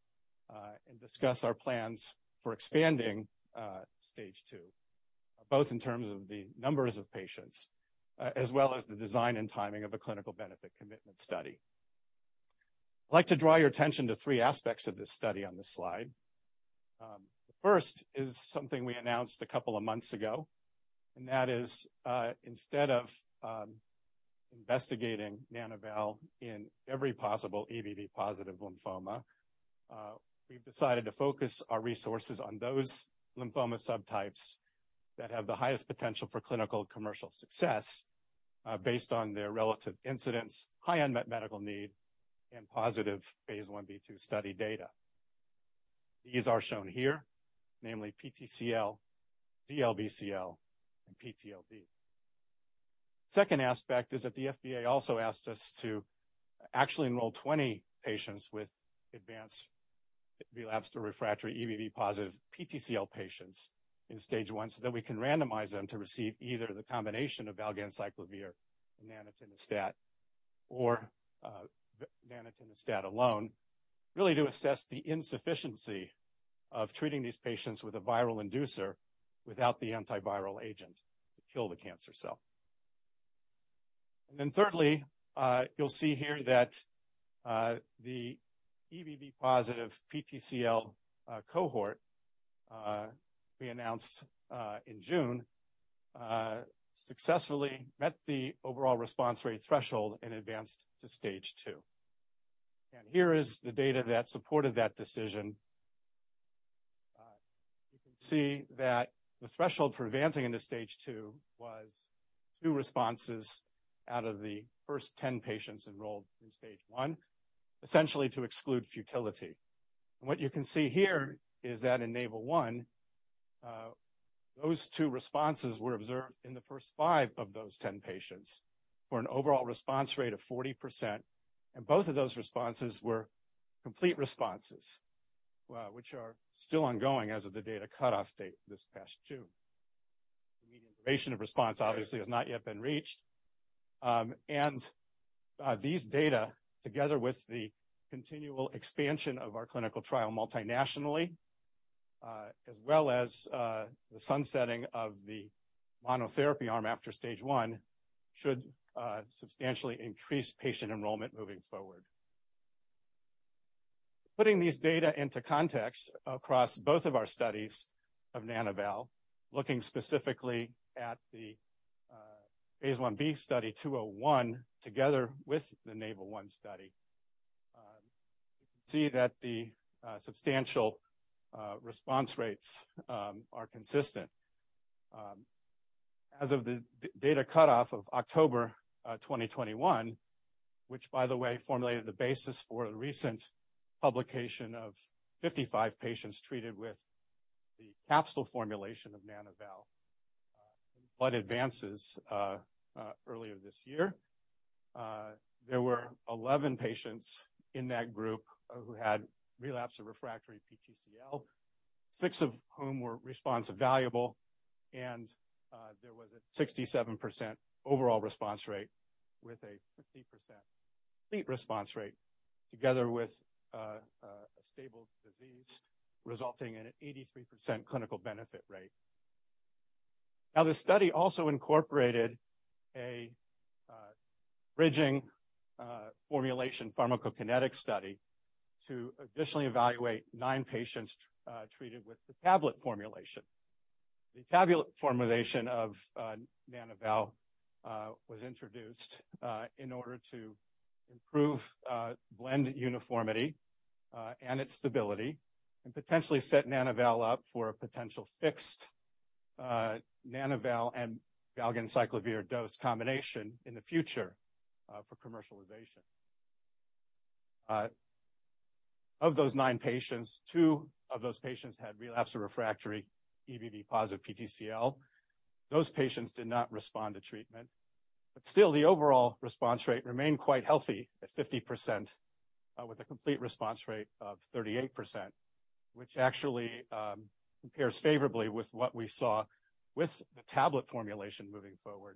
and discuss our plans for expanding Stage II, both in terms of the numbers of patients, as well as the design and timing of a clinical benefit commitment study. I'd like to draw your attention to three aspects of this study on this slide. The first is something we announced a couple of months ago, and that is, instead of investigating Nana-val in every possible EBV-positive lymphoma, we've decided to focus our resources on those lymphoma subtypes that have the highest potential for clinical commercial success, based on their relative incidence, high unmet medical need, and positive phase Ib/II study data. These are shown here, namely PTCL, DLBCL, and PTLD. Second aspect is that the FDA also asked us to actually enroll 20 patients with advanced relapsed or refractory EBV-positive PTCL patients in Stage I, so that we can randomize them to receive either the combination of valganciclovir and nanatinostat or, nanatinostat alone, really to assess the insufficiency of treating these patients with a viral inducer without the antiviral agent to kill the cancer cell. And then thirdly, you'll see here that the EBV-positive PTCL cohort we announced in June successfully met the overall response rate threshold and advanced to Stage II. And here is the data that supported that decision. You can see that the threshold for advancing into Stage II was two responses out of the first 10 patients enrolled in Stage I, essentially to exclude futility. And what you can see here is that in NAVAL-1, those two responses were observed in the first five of those 10 patients, for an overall response rate of 40%, and both of those responses were complete responses, which are still ongoing as of the data cutoff date this past June. The median duration of response obviously has not yet been reached. And these data, together with the continual expansion of our clinical trial multinationally, as well as the sunsetting of the monotherapy arm after Stage I, should substantially increase patient enrollment moving forward. Putting these data into context across both of our studies of Nana-val, looking specifically at the phase Ib Study 201, together with the NAVA-1 study, you can see that the substantial response rates are consistent. As of the data cutoff of October 2021, which by the way, formulated the basis for the recent publication of 55 patients treated with the capsule formulation of Nana-val, Blood Advances earlier this year. There were 11 patients in that group who had relapsed or refractory PTCL, six of whom were EBV-positive, and there was a 67% overall response rate with a 50% complete response rate, together with a stable disease, resulting in an 83% clinical benefit rate. Now, the study also incorporated a bridging formulation pharmacokinetic study to additionally evaluate nine patients treated with the tablet formulation. The tablet formulation of Nana-val was introduced in order to improve blend uniformity and its stability, and potentially set Nana-val up for a potential fixed Nana-val and valganciclovir dose combination in the future for commercialization. Of those nine patients, two of those patients had relapsed or refractory EBV-positive PTCL. Those patients did not respond to treatment, but still, the overall response rate remained quite healthy at 50%, with a complete response rate of 38%, which actually compares favorably with what we saw with the tablet formulation moving forward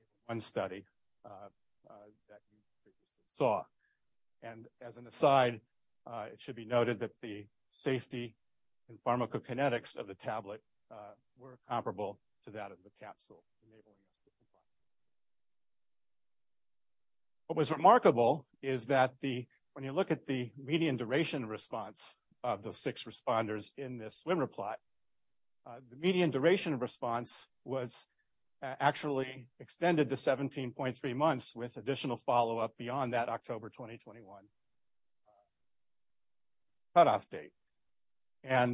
in one study that you previously saw. And as an aside, it should be noted that the safety and pharmacokinetics of the tablet were comparable to that of the capsule, enabling us to comply. What was remarkable is that the when you look at the median duration response of those six responders in this swimmer plot, the median duration response was actually extended to 17.3 months, with additional follow-up beyond that October 2021 cutoff date.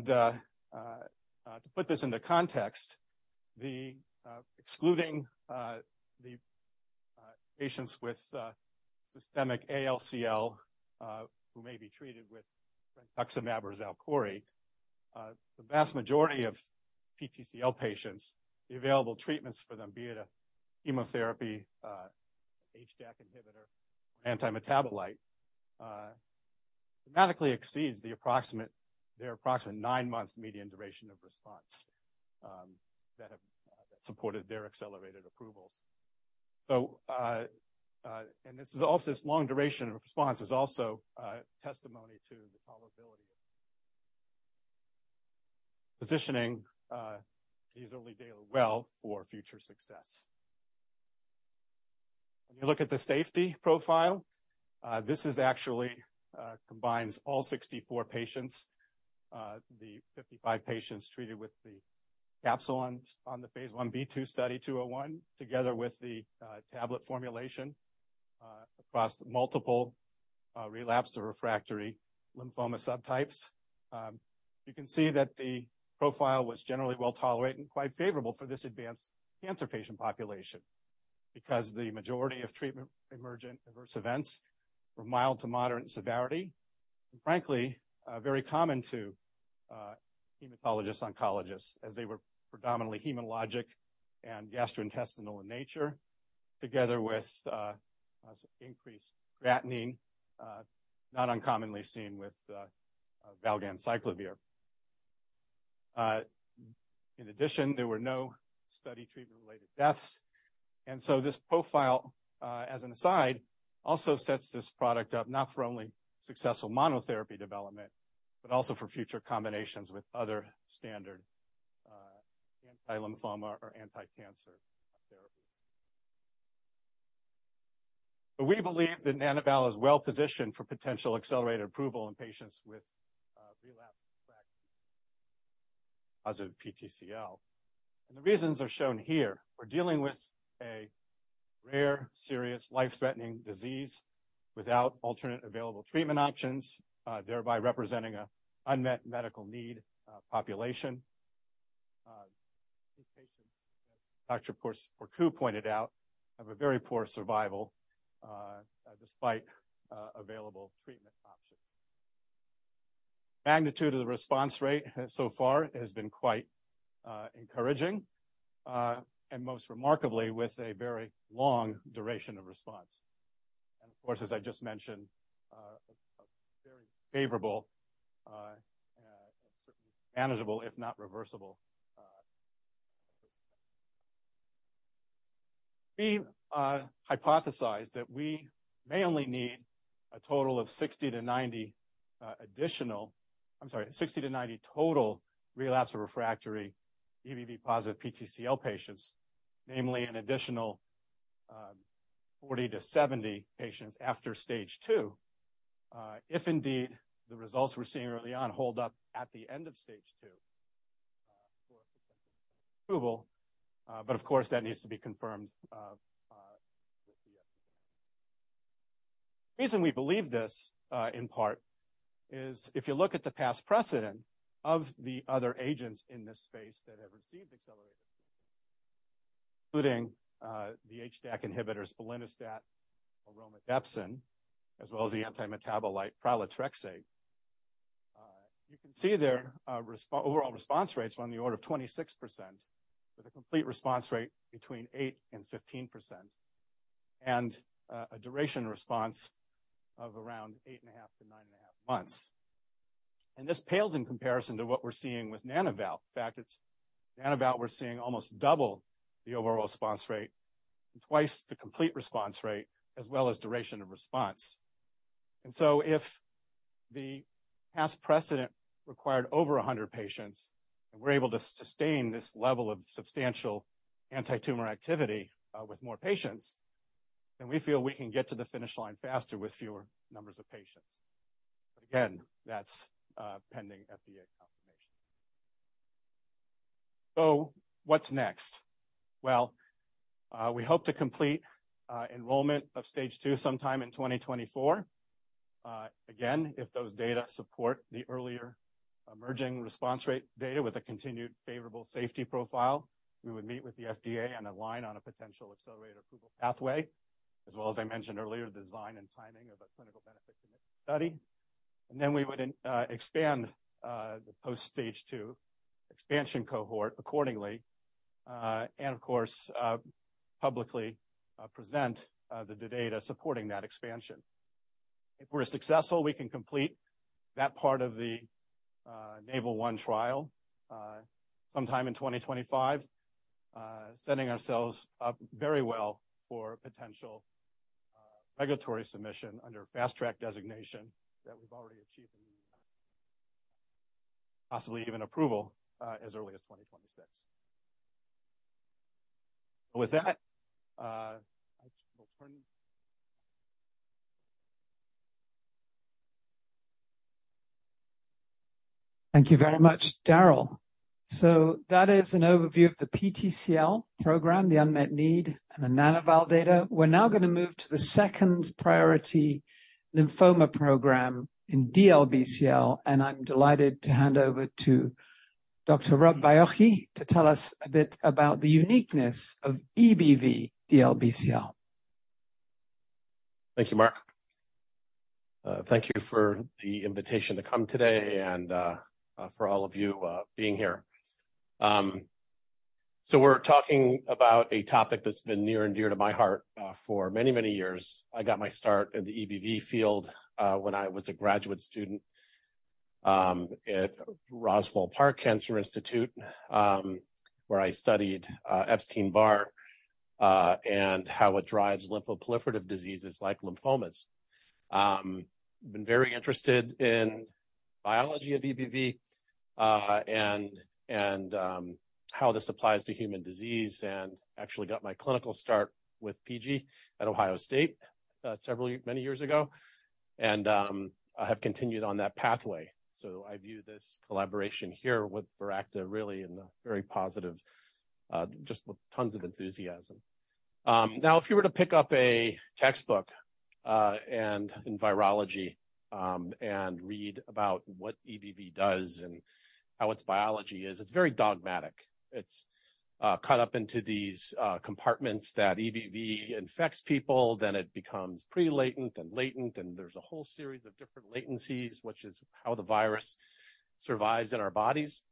To put this into context, excluding the patients with systemic ALCL who may be treated with brentuximab or Xalkori, the vast majority of PTCL patients, the available treatments for them, be it a chemotherapy, HDAC inhibitor, or antimetabolite, dramatically exceeds the approximate—their approximate nine month median duration of response that have supported their accelerated approvals. So, and this is also—this long duration of response is also testimony to the probability of positioning these early daily well for future success. When you look at the safety profile, this is actually combines all 64 patients, the 55 patients treated with the capsule on the phase Ib/II Study 201, together with the tablet formulation across multiple relapsed or refractory lymphoma subtypes. You can see that the profile was generally well-tolerated and quite favorable for this advanced cancer patient population, because the majority of treatment emergent adverse events were mild to moderate in severity, and frankly, very common to hematologist oncologists, as they were predominantly hematologic and gastrointestinal in nature, together with some increased creatinine, not uncommonly seen with valganciclovir. In addition, there were no study treatment-related deaths. So this profile, as an aside, also sets this product up not for only successful monotherapy development, but also for future combinations with other standard anti-lymphoma or anti-cancer therapies. But we believe that Nana-val is well-positioned for potential accelerated approval in patients with relapsed or refractory positive PTCL. And the reasons are shown here. We're dealing with a rare, serious, life-threatening disease without alternate available treatment options, thereby representing an unmet medical need population. These patients, as Dr. Porcu pointed out, have a very poor survival despite available treatment options. Magnitude of the response rate so far has been quite encouraging, and most remarkably, with a very long duration of response. And of course, as I just mentioned, a very favorable, and certainly manageable, if not reversible... We hypothesized that we may only need a total of 60-90 additional—I'm sorry, 60-90 total relapsed or refractory EBV-positive PTCL patients, namely an additional 40-70 patients after Stage II, if indeed the results we're seeing early on hold up at the end of Stage II, for approval. But of course, that needs to be confirmed with the... The reason we believe this, in part, is if you look at the past precedent of the other agents in this space that have received accelerated, including the HDAC inhibitors, belinostat or romidepsin, as well as the antimetabolite pralatrexate. You can see their overall response rates were on the order of 26%, with a complete response rate between 8% and 15%, and a duration response of around 8.5-9.5 months. And this pales in comparison to what we're seeing with Nana-val. In fact, it's Nana-val, we're seeing almost double the overall response rate, twice the complete response rate, as well as duration of response. And so if the past precedent required over 100 patients, and we're able to sustain this level of substantial antitumor activity with more patients, then we feel we can get to the finish line faster with fewer numbers of patients. Again, that's pending FDA confirmation. So what's next? Well, we hope to complete enrollment of Stage II sometime in 2024. Again, if those data support the earlier emerging response rate data with a continued favorable safety profile, we would meet with the FDA and align on a potential accelerated approval pathway, as well as I mentioned earlier, the design and timing of a clinical benefit commitment study. And then we would expand the post Stage II expansion cohort accordingly, and of course, publicly present the data supporting that expansion. If we're successful, we can complete that part of the NAVAL-1 trial sometime in 2025, setting ourselves up very well for potential regulatory submission under fast track designation that we've already achieved in the US, possibly even approval as early as 2026. With that, I will turn- Thank you very much, Darrel. So that is an overview of the PTCL program, the unmet need, and the Nana-val data. We're now gonna move to the second priority lymphoma program in DLBCL, and I'm delighted to hand over to Dr. Rob Baiocchi, to tell us a bit about the uniqueness of EBV DLBCL. Thank you, Mark. Thank you for the invitation to come today and, for all of you, being here. So we're talking about a topic that's been near and dear to my heart, for many, many years. I got my start in the EBV field, when I was a graduate student, at Roswell Park Cancer Institute, where I studied Epstein-Barr, and how it drives lymphoproliferative diseases like lymphomas. Been very interested in biology of EBV, and how this applies to human disease, and actually got my clinical start with PG at Ohio State, several, many years ago, and, I have continued on that pathway. So I view this collaboration here with Viracta really in a very positive, just with tons of enthusiasm. Now, if you were to pick up a textbook in virology and read about what EBV does and how its biology is, it's very dogmatic. It's cut up into these compartments that EBV infects people, then it becomes pre-latent, then latent, and there's a whole series of different latencies, which is how the virus survives in our bodies.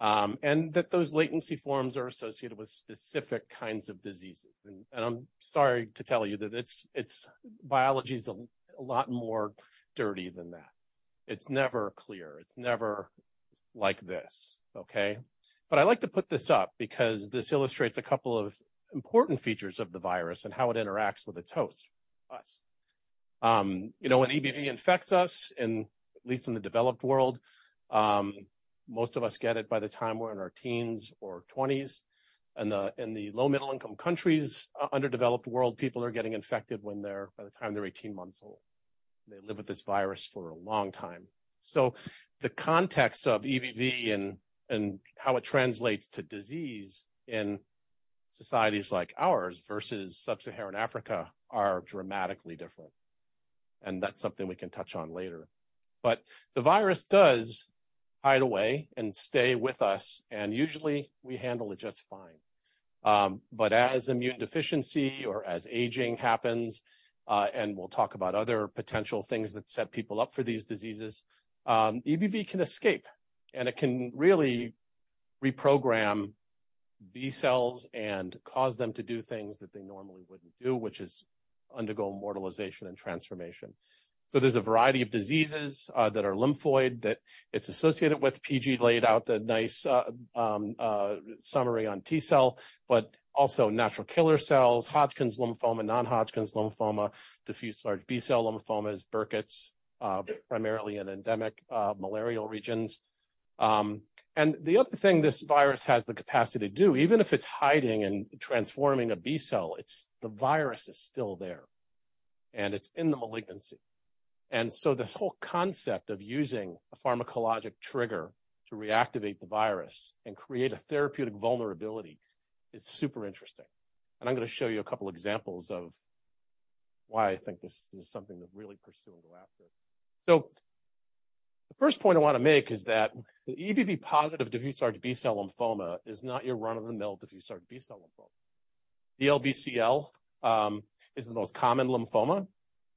Those latency forms are associated with specific kinds of diseases. I'm sorry to tell you that its biology is a lot more dirty than that. It's never clear. It's never like this, okay? But I like to put this up because this illustrates a couple of important features of the virus and how it interacts with its host, us. You know, when EBV infects us, at least in the developed world, most of us get it by the time we're in our teens or twenties. In the low, middle-income countries, underdeveloped world, people are getting infected by the time they're 18 months old. They live with this virus for a long time. So the context of EBV and how it translates to disease in societies like ours versus Sub-Saharan Africa are dramatically different, and that's something we can touch on later. But the virus does hide away and stay with us, and usually, we handle it just fine. But as immune deficiency or as aging happens, and we'll talk about other potential things that set people up for these diseases, EBV can escape, and it can really reprogram B-cells and cause them to do things that they normally wouldn't do, which is undergo immortalization and transformation. So there's a variety of diseases that are lymphoid, that it's associated with. PG laid out the nice summary on T-cell, but also natural killer cells, Hodgkin's lymphoma, non-Hodgkin's lymphoma, diffuse large B-cell lymphomas, Burkitt's primarily in endemic malarial regions. And the other thing this virus has the capacity to do, even if it's hiding and transforming a B-cell, it's the virus is still there, and it's in the malignancy. This whole concept of using a pharmacologic trigger to reactivate the virus and create a therapeutic vulnerability is super interesting. I'm gonna show you a couple examples of why I think this is something to really pursue and go after. The first point I wanna make is that the EBV-positive diffuse large B-cell lymphoma is not your run-of-the-mill diffuse large B-cell lymphoma. DLBCL is the most common lymphoma,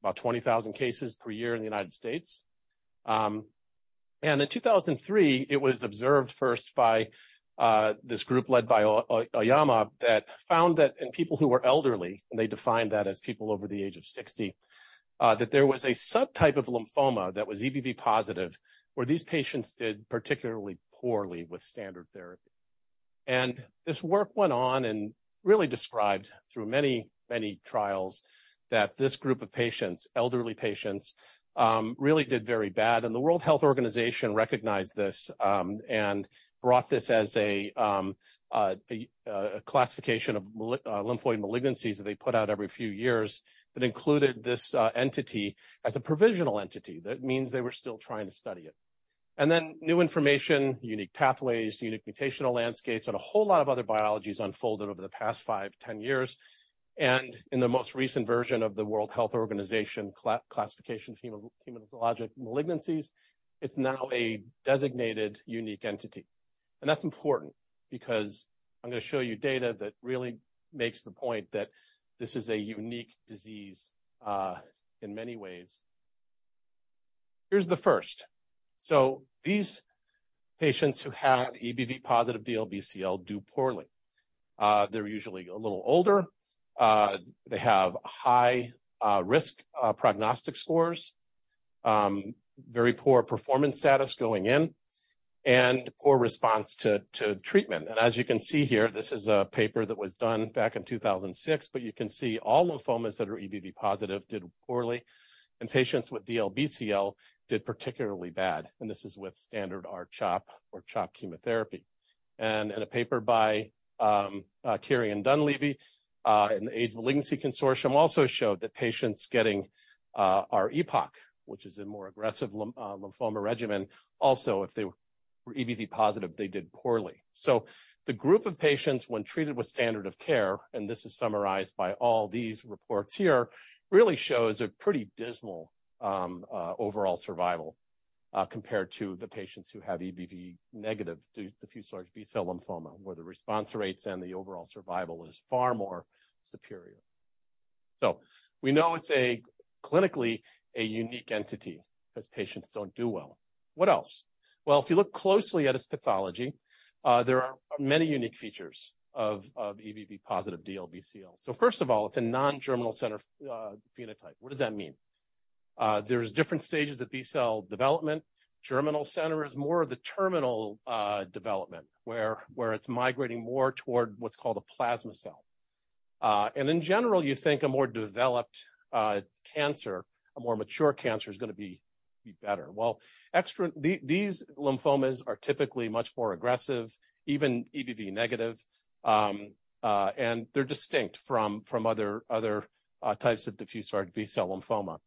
about 20,000 cases per year in the United States. And in 2003, it was observed first by this group led by Oyama, that found that in people who were elderly, and they defined that as people over the age of 60, that there was a subtype of lymphoma that was EBV-positive, where these patients did particularly poorly with standard therapy. This work went on and really described through many, many trials, that this group of patients, elderly patients, really did very bad. The World Health Organization recognized this, and brought this as a classification of malignant lymphoid malignancies that they put out every few years, that included this entity as a provisional entity. That means they were still trying to study it. Then new information, unique pathways, unique mutational landscapes, and a whole lot of other biologies unfolded over the past five to 10 years. In the most recent version of the World Health Organization classification for hematologic malignancies, it's now a designated unique entity. That's important because I'm gonna show you data that really makes the point that this is a unique disease in many ways. Here's the first. So these patients who have EBV-positive DLBCL do poorly. They're usually a little older, they have high risk prognostic scores, very poor performance status going in, and poor response to treatment. As you can see here, this is a paper that was done back in 2006, but you can see all lymphomas that are EBV-positive did poorly, and patients with DLBCL did particularly bad, and this is with standard R-CHOP or CHOP chemotherapy. In a paper by Kieron Dunleavy in the AIDS Malignancy Consortium, also showed that patients getting R-EPOCH, which is a more aggressive lymphoma regimen, also, if they were EBV-positive, they did poorly. So the group of patients, when treated with standard of care, and this is summarized by all these reports here, really shows a pretty dismal overall survival compared to the patients who have EBV negative diffuse large B-cell lymphoma, where the response rates and the overall survival is far more superior. So we know it's a clinically unique entity, because patients don't do well. What else? Well, if you look closely at its pathology, there are many unique features of EBV positive DLBCL. So first of all, it's a non-germinal center phenotype. What does that mean? There's different stages of B-cell development. Germinal center is more of the terminal development, where it's migrating more toward what's called a plasma cell. And in general, you think a more developed cancer, a more mature cancer is gonna be better. Well, these lymphomas are typically much more aggressive, even EBV-negative, and they're distinct from other types of diffuse large B-cell lymphoma.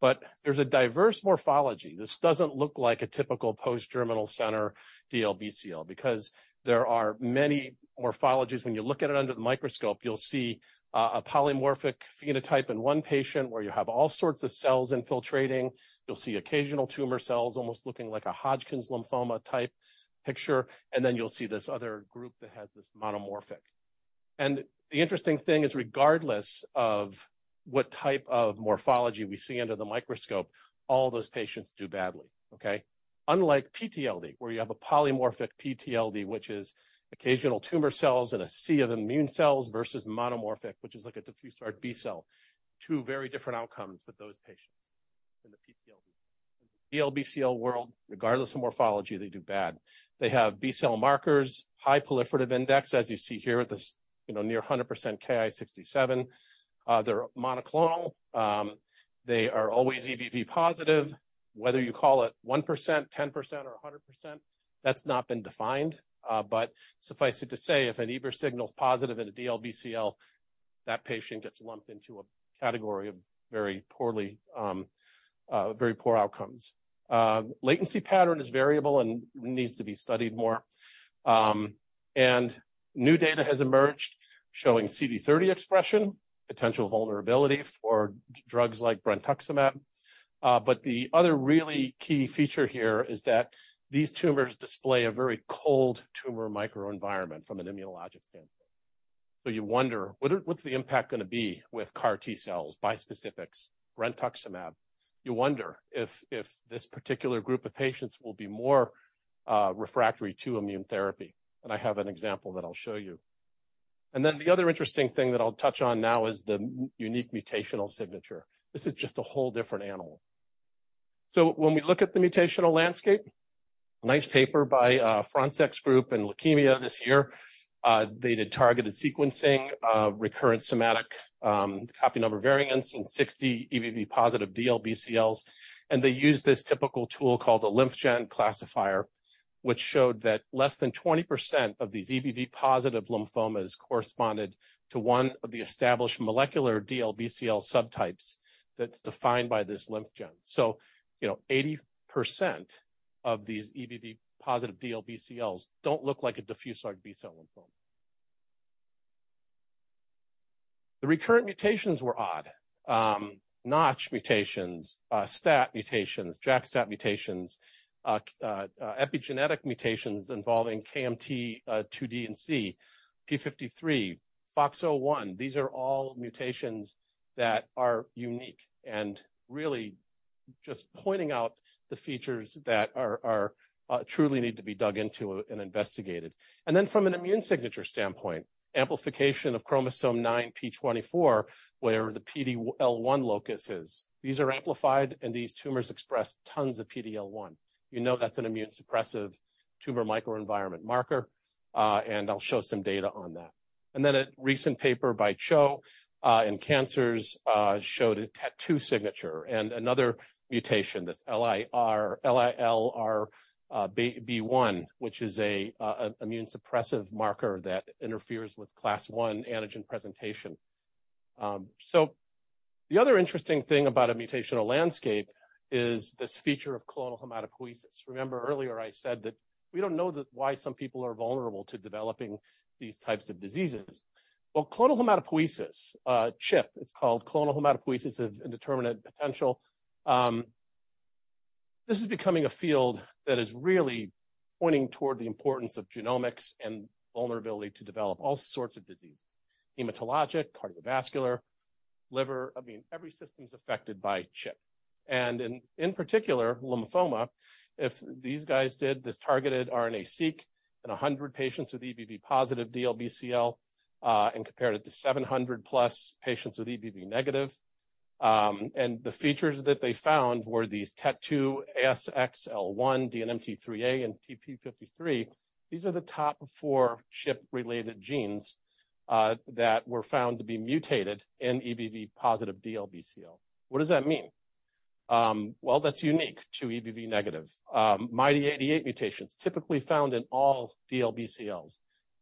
But there's a diverse morphology. This doesn't look like a typical post-germinal center DLBCL, because there are many morphologies. When you look at it under the microscope, you'll see a polymorphic phenotype in one patient, where you have all sorts of cells infiltrating. You'll see occasional tumor cells, almost looking like a Hodgkin's lymphoma type picture, and then you'll see this other group that has this monomorphic. And the interesting thing is, regardless of what type of morphology we see under the microscope, all those patients do badly, okay? Unlike PTLD, where you have a polymorphic PTLD, which is occasional tumor cells and a sea of immune cells, versus monomorphic, which is like a diffuse large B-cell. Two very different outcomes with those patients in the PTLD. DLBCL world, regardless of morphology, they do bad. They have B-cell markers, high proliferative index, as you see here at this, you know, near 100% Ki-67. They're monoclonal. They are always EBV positive, whether you call it 1%, 10%, or 100%, that's not been defined. But suffice it to say, if an EBV signal is positive in a DLBCL, that patient gets lumped into a category of very poorly, very poor outcomes. Latency pattern is variable and needs to be studied more. And new data has emerged showing CD30 expression, potential vulnerability for drugs like brentuximab. But the other really key feature here is that these tumors display a very cold tumor microenvironment from an immunologic standpoint. So you wonder, what's the impact gonna be with CAR T cells, bispecifics, brentuximab? You wonder if this particular group of patients will be more refractory to immune therapy, and I have an example that I'll show you. And then the other interesting thing that I'll touch on now is the unique mutational signature. This is just a whole different animal.... So when we look at the mutational landscape, nice paper by Frontzek Group in Leukemia this year. They did targeted sequencing of recurrent somatic copy number variants in 60 EBV-positive DLBCLs, and they used this typical tool called a LymphGen classifier, which showed that less than 20% of these EBV-positive lymphomas corresponded to one of the established molecular DLBCL subtypes that's defined by this LymphGen. So, you know, 80% of these EBV-positive DLBCLs don't look like a diffuse large B-cell lymphoma. The recurrent mutations were odd. NOTCH mutations, STAT mutations, JAK-STAT mutations, epigenetic mutations involving KMT2D and TP53, FOXO1. These are all mutations that are unique and really just pointing out the features that truly need to be dug into and investigated. And then from an immune signature standpoint, amplification of chromosome 9p24, where the PDL1 locus is. These are amplified, and these tumors express tons of PDL1. You know, that's an immune suppressive tumor microenvironment marker, and I'll show some data on that. And then a recent paper by Cho in Cancers showed a TET2 signature and another mutation, this LILRB1, which is a immune suppressive marker that interferes with class I antigen presentation. So the other interesting thing about a mutational landscape is this feature of clonal hematopoiesis. Remember earlier I said that we don't know that why some people are vulnerable to developing these types of diseases. Well, clonal hematopoiesis, CHIP, it's called Clonal Hematopoiesis of Indeterminate Potential. This is becoming a field that is really pointing toward the importance of genomics and vulnerability to develop all sorts of diseases, hematologic, cardiovascular, liver, I mean, every system is affected by CHIP, and in particular, lymphoma. If these guys did this targeted RNAseq in 100 patients with EBV-positive DLBCL, and compared it to 700+ patients with EBV-negative, and the features that they found were these TET2, ASXL1, DNMT3A, and TP53. These are the top four CHIP-related genes that were found to be mutated in EBV-positive DLBCL. What does that mean? Well, that's unique to EBV-negative. MYD88 mutations, typically found in all DLBCLs,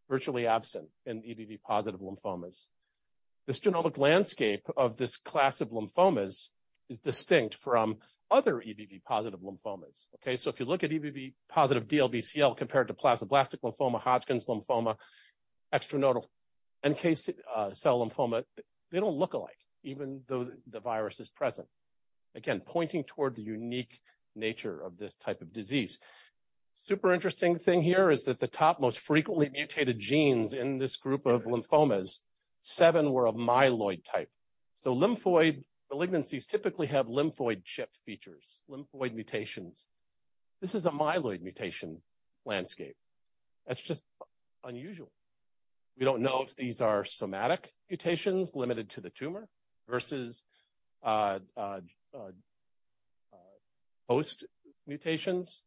virtually absent in EBV-positive lymphomas. This genomic landscape of this class of lymphomas is distinct from other EBV-positive lymphomas. Okay, so if you look at EBV-positive DLBCL compared to plasmablastic lymphoma, Hodgkin's lymphoma, extranodal NK/T-cell lymphoma, they don't look alike, even though the virus is present. Again, pointing toward the unique nature of this type of disease. Super interesting thing here is that the top most frequently mutated genes in this group of lymphomas, seven were of myeloid type. So lymphoid malignancies typically have lymphoid CHIP features, lymphoid mutations. This is a myeloid mutation landscape. That's just unusual. We don't know if these are somatic mutations limited to the tumor versus post mutations,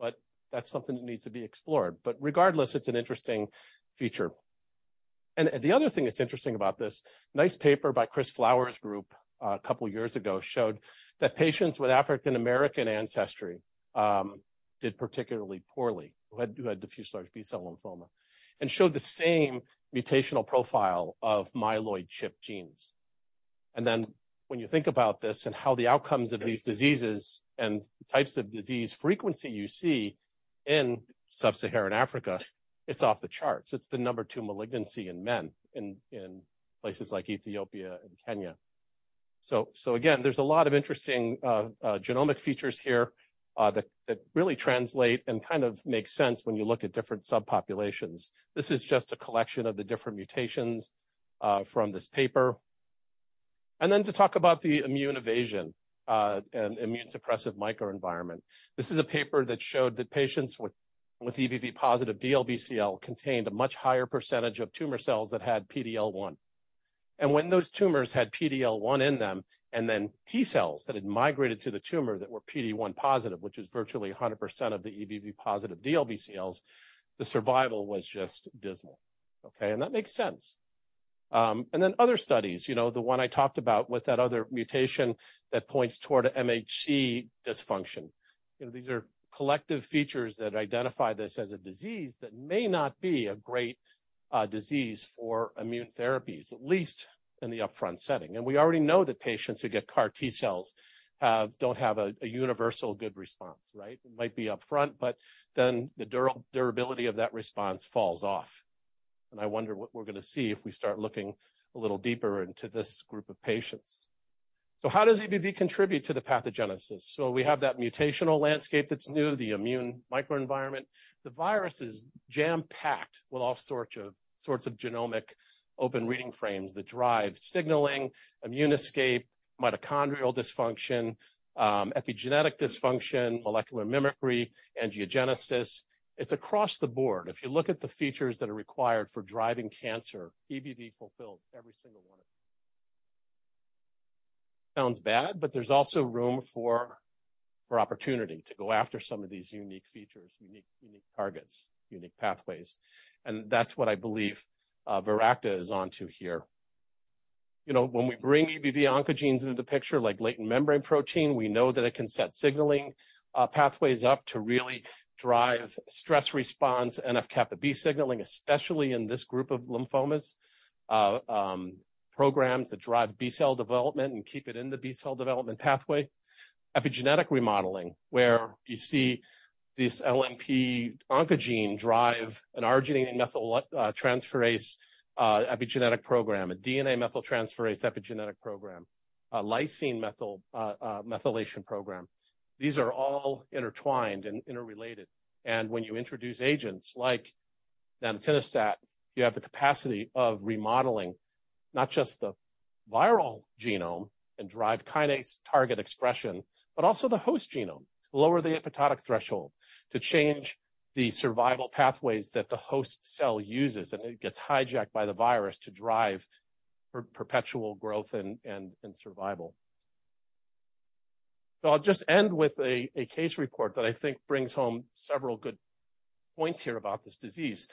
but that's something that needs to be explored. But regardless, it's an interesting feature. The other thing that's interesting about this, nice paper by Chris Flowers' group, a couple years ago, showed that patients with African American ancestry did particularly poorly who had diffuse large B-cell lymphoma and showed the same mutational profile of myeloid CHIP genes. Then when you think about this and how the outcomes of these diseases and the types of disease frequency you see in sub-Saharan Africa, it's off the charts. It's the number two malignancy in men in places like Ethiopia and Kenya. So again, there's a lot of interesting genomic features here that really translate and kind of make sense when you look at different subpopulations. This is just a collection of the different mutations from this paper. And then to talk about the immune evasion and immune suppressive microenvironment. This is a paper that showed that patients with EBV-positive DLBCL contained a much higher percentage of tumor cells that had PDL1. And when those tumors had PDL1 in them, and then T cells that had migrated to the tumor that were PD-1 positive, which is virtually 100% of the EBV-positive DLBCLs, the survival was just dismal. Okay, and that makes sense. And then other studies, you know, the one I talked about with that other mutation that points toward MHC dysfunction. You know, these are collective features that identify this as a disease that may not be a great disease for immune therapies, at least in the upfront setting. And we already know that patients who get CAR-T cells don't have a universal good response, right? It might be upfront, but then the durability of that response falls off. I wonder what we're gonna see if we start looking a little deeper into this group of patients. How does EBV contribute to the pathogenesis? We have that mutational landscape that's new, the immune microenvironment. The virus is jam-packed with all sorts of genomic open reading frames that drive signaling, immune escape, mitochondrial dysfunction, epigenetic dysfunction, molecular mimicry, angiogenesis. It's across the board. If you look at the features that are required for driving cancer, EBV fulfills every single one of them. Sounds bad, but there's also room for opportunity to go after some of these unique features, unique targets, unique pathways, and that's what I believe Viracta is onto here. You know, when we bring EBV oncogenes into the picture, like latent membrane protein, we know that it can set signaling pathways up to really drive stress response, NF-kappa B signaling, especially in this group of lymphomas. Programs that drive B-cell development and keep it in the B-cell development pathway. Epigenetic remodeling, where you see this LMP oncogene drive an arginine methyltransferase epigenetic program, a DNA methyltransferase epigenetic program, a lysine methylation program. These are all intertwined and interrelated. And when you introduce agents like nanatinostat, you have the capacity of remodeling, not just the viral genome and drive kinase target expression, but also the host genome, to lower the apoptotic threshold, to change the survival pathways that the host cell uses, and it gets hijacked by the virus to drive perpetual growth and survival. So I'll just end with a case report that I think brings home several good points here about this disease.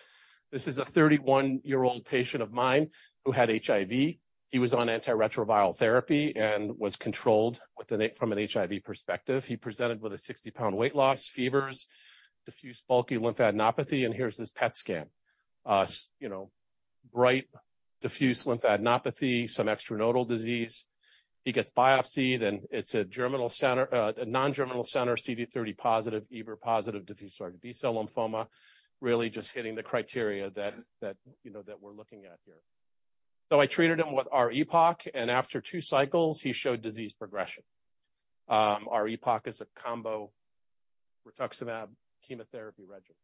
This is a 31-year-old patient of mine who had HIV. He was on antiretroviral therapy and was controlled with an, from an HIV perspective. He presented with a 60-pound weight loss, fevers, diffuse bulky lymphadenopathy, and here's his PET scan. You know, bright, diffuse lymphadenopathy, some extranodal disease. He gets biopsied, and it's a germinal center, a non-germinal center, CD30 positive, EBV positive, diffuse large B-cell lymphoma, really just hitting the criteria that you know that we're looking at here. So I treated him with R-EPOCH, and after two cycles, he showed disease progression. R-EPOCH is a combo rituximab chemotherapy regimen,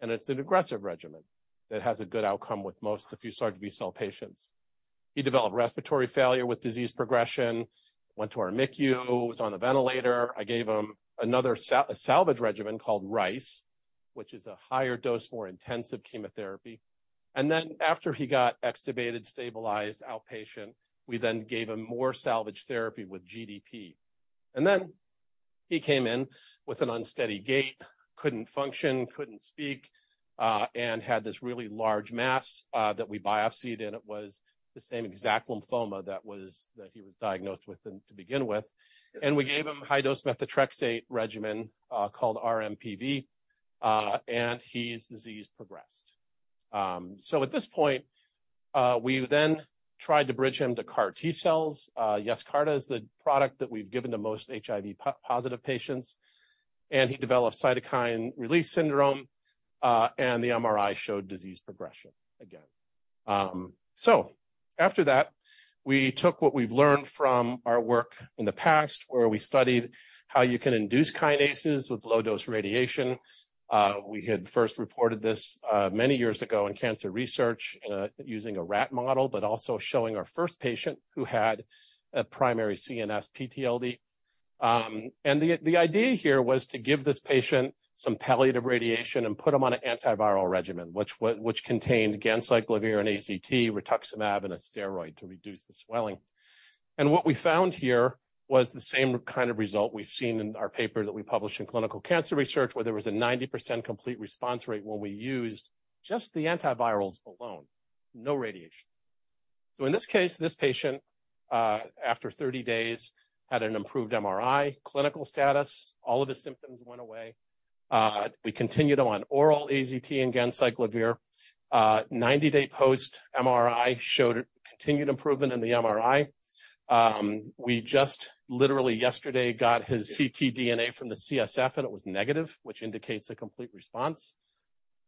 and it's an aggressive regimen that has a good outcome with most diffuse large B-cell patients. He developed respiratory failure with disease progression, went to our MICU, was on a ventilator. I gave him another salvage regimen called RICE, which is a higher dose, more intensive chemotherapy. Then after he got extubated, stabilized, outpatient, we then gave him more salvage therapy with GDP. Then he came in with an unsteady gait, couldn't function, couldn't speak, and had this really large mass that we biopsied, and it was the same exact lymphoma that was, that he was diagnosed with in to begin with. We gave him high-dose methotrexate regimen called RMPV, and his disease progressed. So at this point, we then tried to bridge him to CAR-T cells. Yescarta is the product that we've given to most HIV positive patients, and he developed cytokine release syndrome, and the MRI showed disease progression again. So after that, we took what we've learned from our work in the past, where we studied how you can induce kinases with low-dose radiation. We had first reported this many years ago in Cancer Research using a rat model, but also showing our first patient who had a primary CNS PTLD. And the idea here was to give this patient some palliative radiation and put him on an antiviral regimen, which contained ganciclovir and AZT, rituximab, and a steroid to reduce the swelling. And what we found here was the same kind of result we've seen in our paper that we published in Clinical Cancer Research, where there was a 90% complete response rate when we used just the antivirals alone, no radiation. So in this case, this patient, after 30 days, had an improved MRI, clinical status, all of his symptoms went away. We continued him on oral AZT and ganciclovir. Ninety-day post-MRI showed continued improvement in the MRI. We just literally yesterday got his ctDNA from the CSF, and it was negative, which indicates a complete response.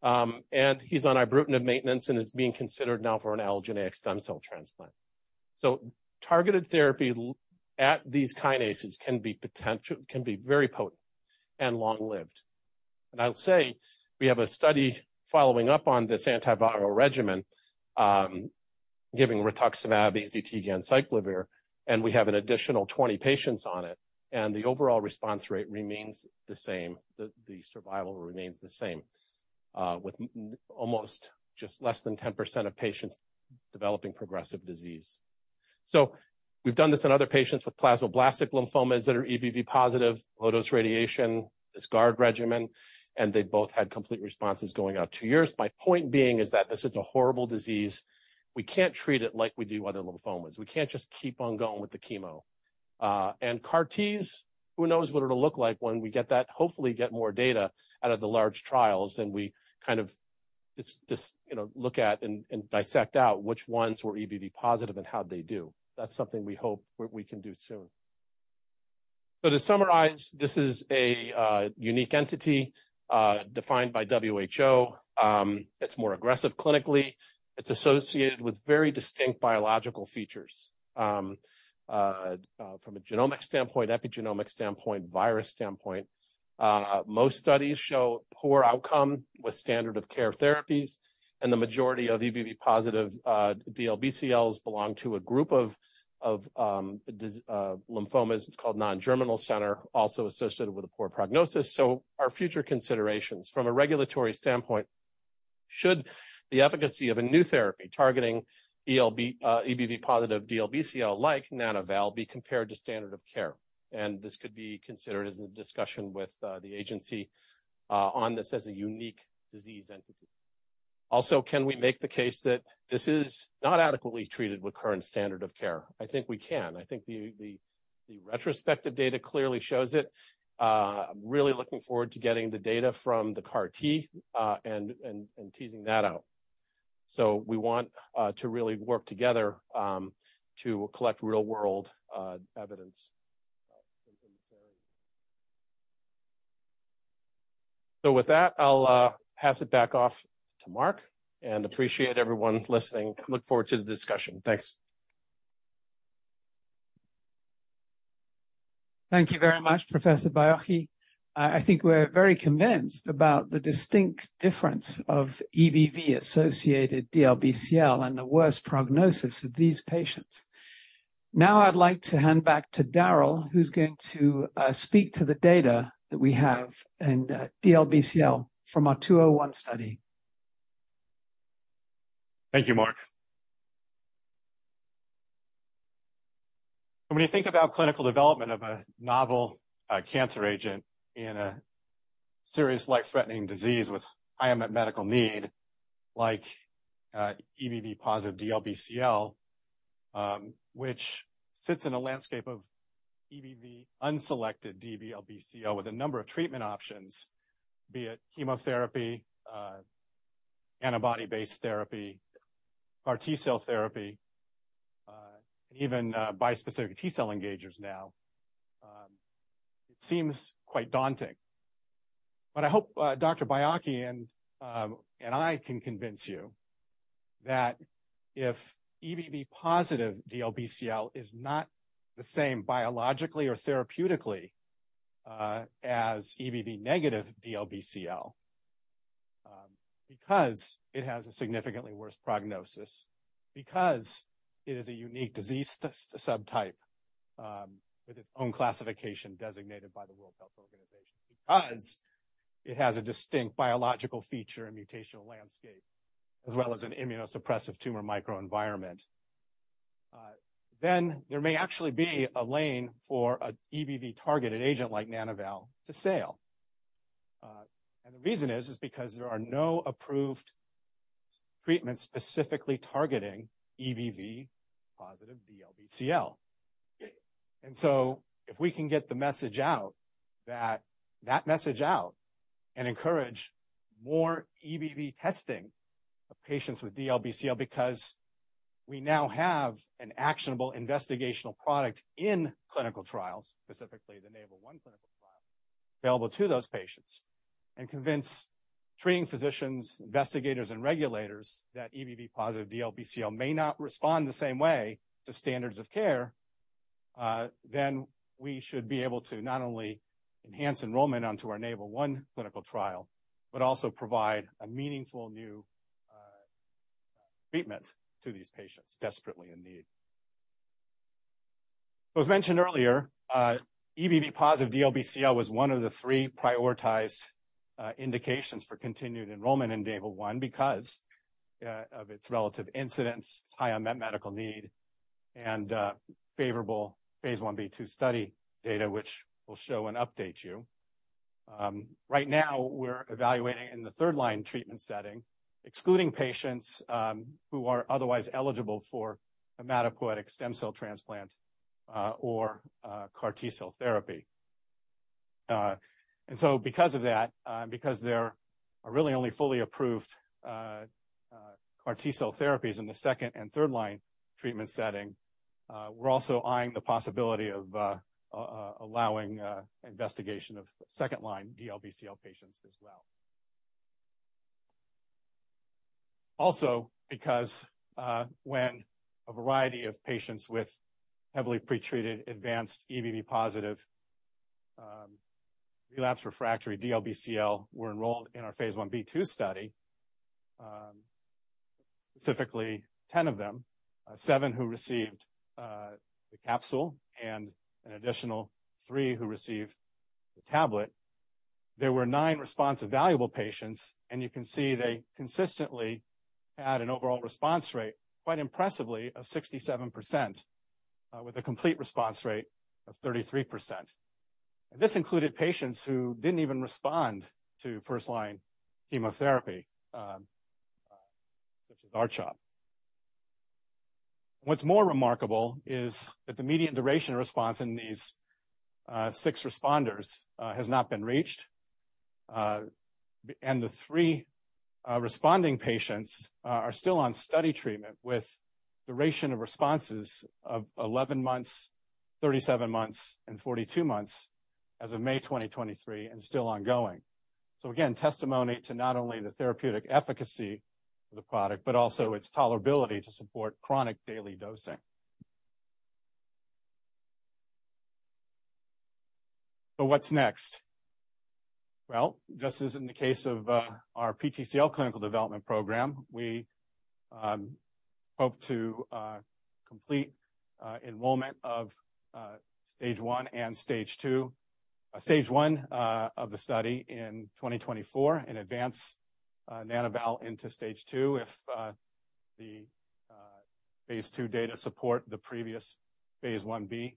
And he's on ibrutinib maintenance and is being considered now for an allogeneic stem cell transplant. So targeted therapy at these kinases can be very potent and long-lived. And I'll say we have a study following up on this antiviral regimen, giving rituximab, AZT, ganciclovir, and we have an additional 20 patients on it, and the overall response rate remains the same, the survival remains the same, with almost just less than 10% of patients developing progressive disease. So we've done this in other patients with plasmablastic lymphomas that are EBV positive, low-dose radiation, this GCV regimen, and they both had complete responses going out two years. My point being is that this is a horrible disease. We can't treat it like we do other lymphomas. We can't just keep on going with the chemo. And CAR-Ts, who knows what it'll look like when we get that. Hopefully, get more data out of the large trials, and we kind of just, you know, look at and dissect out which ones were EBV positive and how'd they do. That's something we hope we can do soon. So to summarize, this is a unique entity defined by WHO. It's more aggressive clinically. It's associated with very distinct biological features from a genomic standpoint, epigenomic standpoint, virus standpoint. Most studies show poor outcome with standard of care therapies, and the majority of EBV positive DLBCLs belong to a group of lymphomas called non-germinal center, also associated with a poor prognosis. So our future considerations from a regulatory standpoint. Should the efficacy of a new therapy targeting EBV-positive DLBCL, like Nana-val, be compared to standard of care? And this could be considered as a discussion with the agency on this as a unique disease entity. Also, can we make the case that this is not adequately treated with current standard of care? I think we can. I think the retrospective data clearly shows it. I'm really looking forward to getting the data from the CAR T and teasing that out. We want to really work together to collect real-world evidence from this area. With that, I'll pass it back off to Mark, and appreciate everyone listening. Look forward to the discussion. Thanks. Thank you very much, Professor Baiocchi. I, I think we're very convinced about the distinct difference of EBV-associated DLBCL and the worst prognosis of these patients. Now, I'd like to hand back to Darrel, who's going to speak to the data that we have in DLBCL from our 201 study. Thank you, Mark. When you think about clinical development of a novel, cancer agent in a serious life-threatening disease with high unmet medical need, like, EBV-positive DLBCL, which sits in a landscape of EBV unselected DLBCL with a number of treatment options, be it chemotherapy, antibody-based therapy, CAR T-cell therapy, even, bispecific T-cell engagers now, it seems quite daunting. But I hope, Dr. Baiocchi and, and I can convince you that if EBV positive DLBCL is not the same biologically or therapeutically, as EBV negative DLBCL, because it has a significantly worse prognosis, because it is a unique disease subtype, with its own classification designated by the World Health Organization, because it has a distinct biological feature and mutational landscape, as well as an immunosuppressive tumor microenvironment, then there may actually be a lane for a EBV-targeted agent like Nana-val to sail. And the reason is because there are no approved treatments specifically targeting EBV positive DLBCL. And so if we can get the message out, that message out and encourage more EBV testing of patients with DLBCL, because we now have an actionable investigational product in clinical trials, specifically the NAVAL-1 clinical trial, available to those patients, and convince treating physicians, investigators, and regulators that EBV positive DLBCL may not respond the same way to standards of care, then we should be able to not only enhance enrollment onto our NAVAL-1 clinical trial, but also provide a meaningful new treatment to these patients desperately in need. As mentioned earlier, EBV positive DLBCL was one of the three prioritized indications for continued enrollment in NAVAL-1 because of its relative incidence, its high unmet medical need, and favorable phase Ib/II study data, which we'll show and update you. Right now, we're evaluating in the third-line treatment setting, excluding patients who are otherwise eligible for hematopoietic stem cell transplant or CAR T-cell therapy. And so because of that, because there are really only fully approved CAR T-cell therapies in the second- and third-line treatment setting, we're also eyeing the possibility of allowing investigation of second-line DLBCL patients as well. Also, because when a variety of patients with heavily pretreated, advanced, EBV-positive relapsed/refractory DLBCL were enrolled in our phase Ib/II study, specifically 10 of them, seven who received the capsule and an additional three who received the tablet, there were nine response-evaluable patients, and you can see they consistently had an overall response rate, quite impressively, of 67%, with a complete response rate of 33%. And this included patients who didn't even respond to first-line chemotherapy, such as R-CHOP. What's more remarkable is that the median duration response in these six responders has not been reached, and the three responding patients are still on study treatment with duration of responses of 11 months, 37 months, and 42 months as of May 2023, and still ongoing. So again, testimony to not only the therapeutic efficacy of the product, but also its tolerability to support chronic daily dosing. But what's next? Well, just as in the case of our PTCL clinical development program, we hope to complete enrollment of Stage I and Stage II, Stage I of the study in 2024 and advance Nana-val into Stage II, if the phase II data support the previous phase Ib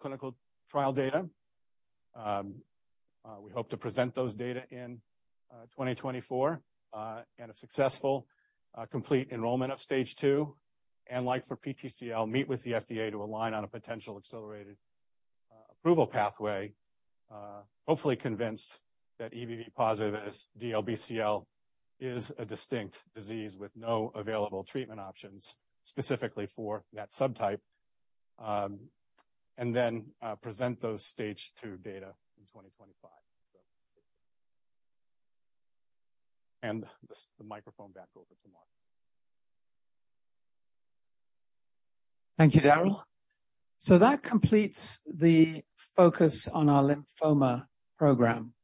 clinical trial data. We hope to present those data in 2024, and successfully complete enrollment of Stage II, and like for PTCL, meet with the FDA to align on a potential accelerated approval pathway. Hopefully convince that EBV-positive DLBCL is a distinct disease with no available treatment options, specifically for that subtype. And then present those Stage II data in 2025. So, and the microphone back over to Mark. Thank you, Darrel. That completes the focus on our lymphoma program.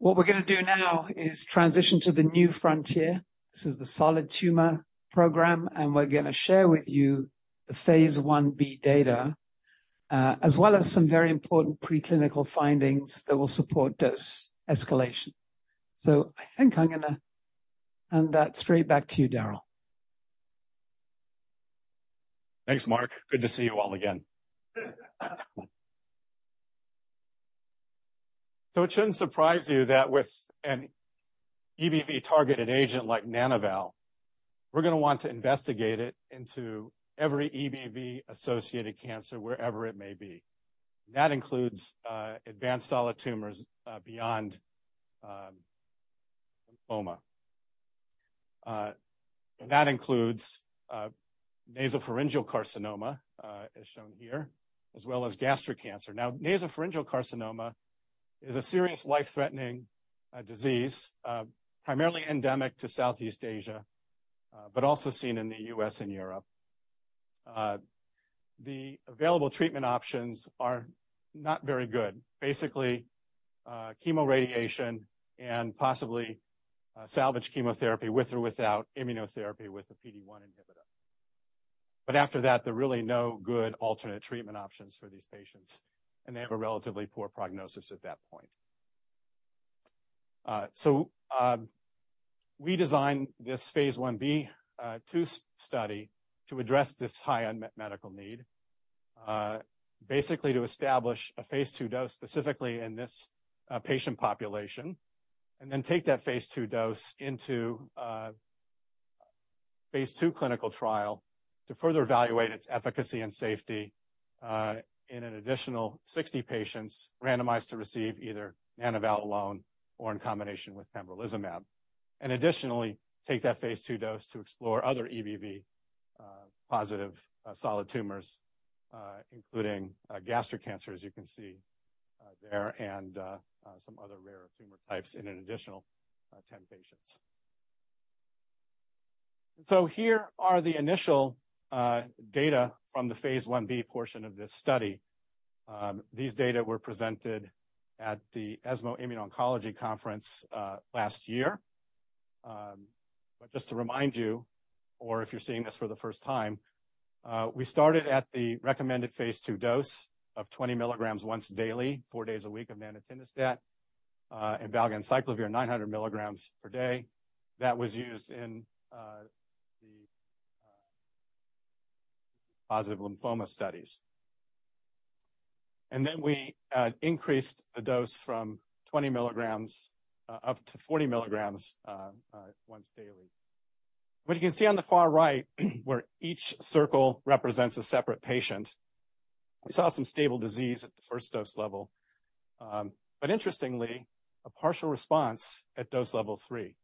What we're gonna do now is transition to the new frontier. This is the solid tumor program, and we're gonna share with you the phase Ib data, as well as some very important preclinical findings that will support dose escalation. I think I'm gonna hand that straight back to you, Darrel. Thanks, Mark. Good to see you all again. So it shouldn't surprise you that with an EBV-targeted agent like Nana-val, we're gonna want to investigate it into every EBV-associated cancer, wherever it may be. That includes advanced solid tumors beyond lymphoma. And that includes nasopharyngeal carcinoma, as shown here, as well as gastric cancer. Now, nasopharyngeal carcinoma is a serious, life-threatening disease, primarily endemic to Southeast Asia, but also seen in the U.S. and Europe. The available treatment options are not very good. Basically, chemoradiation and possibly salvage chemotherapy with or without immunotherapy with a PD-1 inhibitor. But after that, there are really no good alternate treatment options for these patients, and they have a relatively poor prognosis at that point. So, we designed this phase Ib/II study to address this high unmet medical need, basically to establish a phase II dose, specifically in this patient population, and then take that phase II dose into phase II clinical trial to further evaluate its efficacy and safety in an additional 60 patients randomized to receive either Nana-val alone or in combination with pembrolizumab. And additionally, take that phase II dose to explore other EBV-positive solid tumors, including gastric cancer, as you can see there, and some other rare tumor types in an additional 10 patients. So here are the initial data from the phase Ib portion of this study. These data were presented at the ESMO Immuno-Oncology Conference last year. But just to remind you, or if you're seeing this for the first time, we started at the recommended phase II dose of 20 mg once daily, four days a week of nanatinostat, and valganciclovir, 900 mg per day. That was used in the positive lymphoma studies. Then we increased the dose from 20 mg up to 40 mg once daily. What you can see on the far right, where each circle represents a separate patient, we saw some stable disease at the first dose level, but interestingly, a partial response at dose Level 3.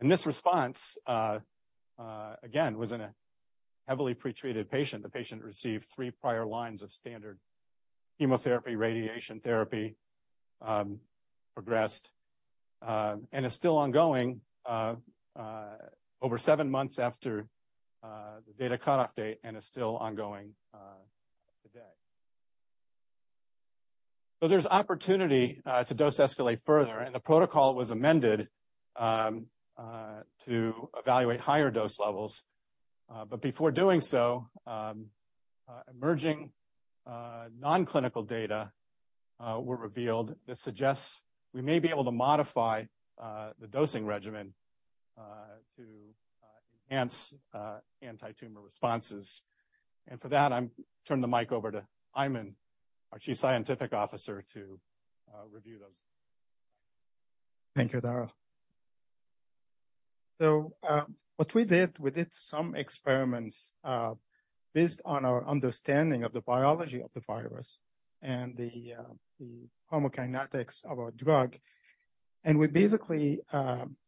And this response, again, was in a heavily pretreated patient. The patient received three prior lines of standard chemotherapy, radiation therapy, progressed, and is still ongoing over seven months after the data cutoff date and is still ongoing today. So there's opportunity to dose escalate further, and the protocol was amended to evaluate higher dose levels. But before doing so, emerging non-clinical data were revealed that suggests we may be able to modify the dosing regimen to enhance antitumor responses. And for that, I'm turning the mic over to Ayman, our Chief Scientific Officer, to review those. Thank you, Darrel. So, what we did, we did some experiments, based on our understanding of the biology of the virus and the, the pharmacokinetics of our drug. And we basically,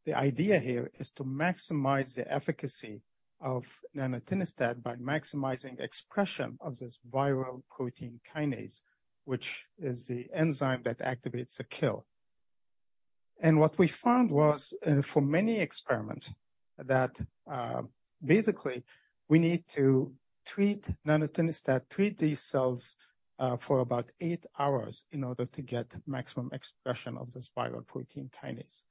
the idea here is to maximize the efficacy of nanatinostat by maximizing expression of this viral protein kinase, which is the enzyme that activates the kill. And what we found was, that basically we need to treat nanatinostat, treat these cells, for about eight hours in order to get maximum expression of this viral protein kinase.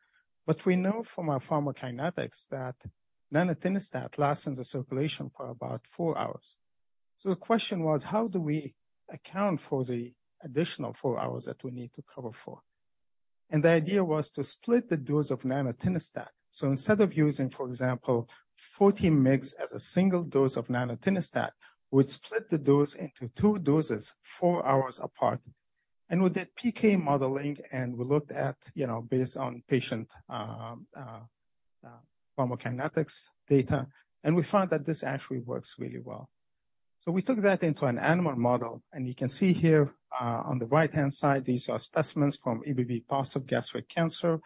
But we know from our pharmacokinetics that nanatinostat lasts in the circulation for about four hours. So the question was, how do we account for the additional four hours that we need to cover for? And the idea was to split the dose of nanatinostat. So instead of using, for example, 40 mg as a single dose of nanatinostat, we'd split the dose into two doses, four hours apart. We did PK modeling, and we looked at, you know, based on patient pharmacokinetics data, and we found that this actually works really well. So we took that into an animal model, and you can see here on the right-hand side, these are specimens from EBV-positive gastric cancer.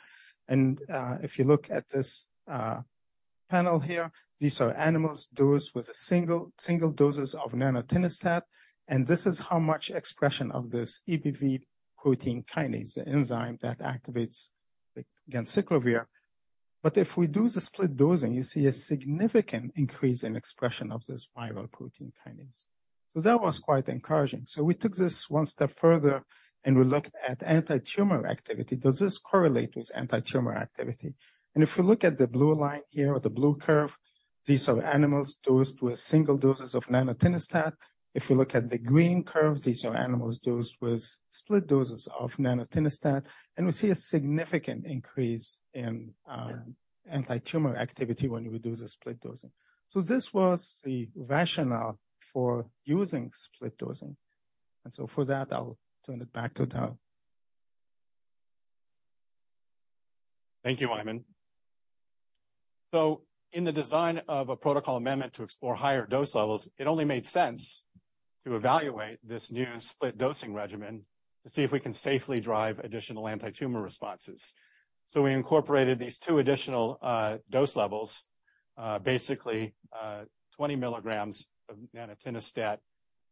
If you look at this panel here, these are animals dosed with single doses of nanatinostat. This is how much expression of this EBV protein kinase, the enzyme that activates the ganciclovir. But if we do the split dosing, you see a significant increase in expression of this viral protein kinase. So that was quite encouraging. So we took this one step further, and we looked at antitumor activity. Does this correlate with antitumor activity? And if you look at the blue line here, or the blue curve, these are animals dosed with single doses of nanatinostat. If you look at the green curve, these are animals dosed with split doses of nanatinostat, and we see a significant increase in antitumor activity when we do the split dosing. So this was the rationale for using split dosing, and so for that, I'll turn it back to Darrel. Thank you, Ayman. So in the design of a protocol amendment to explore higher dose levels, it only made sense to evaluate this new split dosing regimen to see if we can safely drive additional antitumor responses. So we incorporated these two additional dose levels, basically, 20 mg of nanatinostat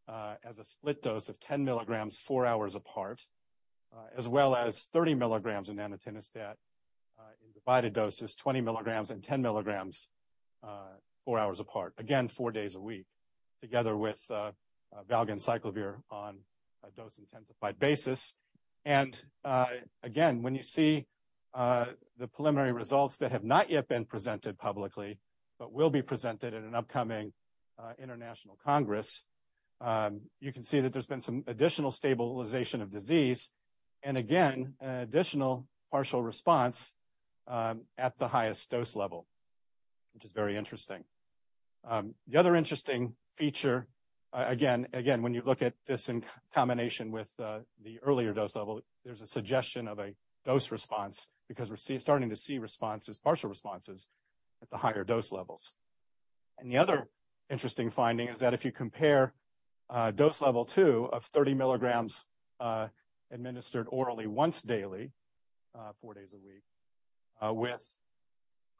as a split dose of 10 mg, 4-hours apart, as well as 30 mg of nanatinostat in divided doses, 20 mg and 10 mg, 4-hours apart. Again, four days a week, together with valganciclovir on a dose-intensified basis. Again, when you see the preliminary results that have not yet been presented publicly, but will be presented in an upcoming international congress, you can see that there's been some additional stabilization of disease, and again, an additional partial response at the highest dose level, which is very interesting. The other interesting feature, again, when you look at this in combination with the earlier dose level, there's a suggestion of a dose response because we're starting to see responses, partial responses at the higher dose levels. The other interesting finding is that if you compare dose level two of 30 mg administered orally once daily four days a week with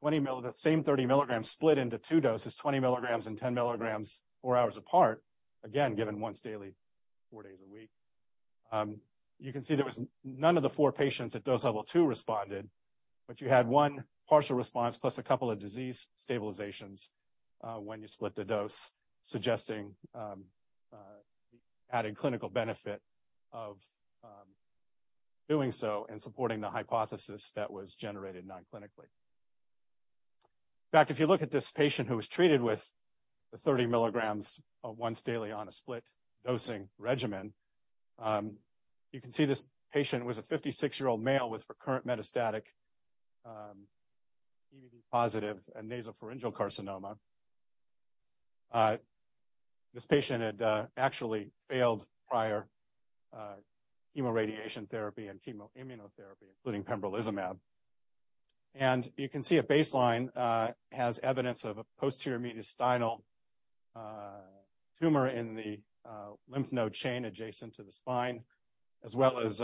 the same 30 mg split into two doses, 20 mg and 10 mg, 4-hours apart, again given once daily four days a week. You can see there was none of the four patients at dose level two responded, but you had one partial response, plus a couple of disease stabilizations when you split the dose, suggesting adding clinical benefit of doing so and supporting the hypothesis that was generated non-clinically. In fact, if you look at this patient who was treated with the 30 mg once daily on a split dosing regimen, you can see this patient was a 56-year-old male with recurrent metastatic EBV-positive nasopharyngeal carcinoma. This patient had actually failed prior chemoradiation therapy and chemoimmunotherapy, including pembrolizumab. And you can see a baseline has evidence of a posterior mediastinal tumor in the lymph node chain adjacent to the spine, as well as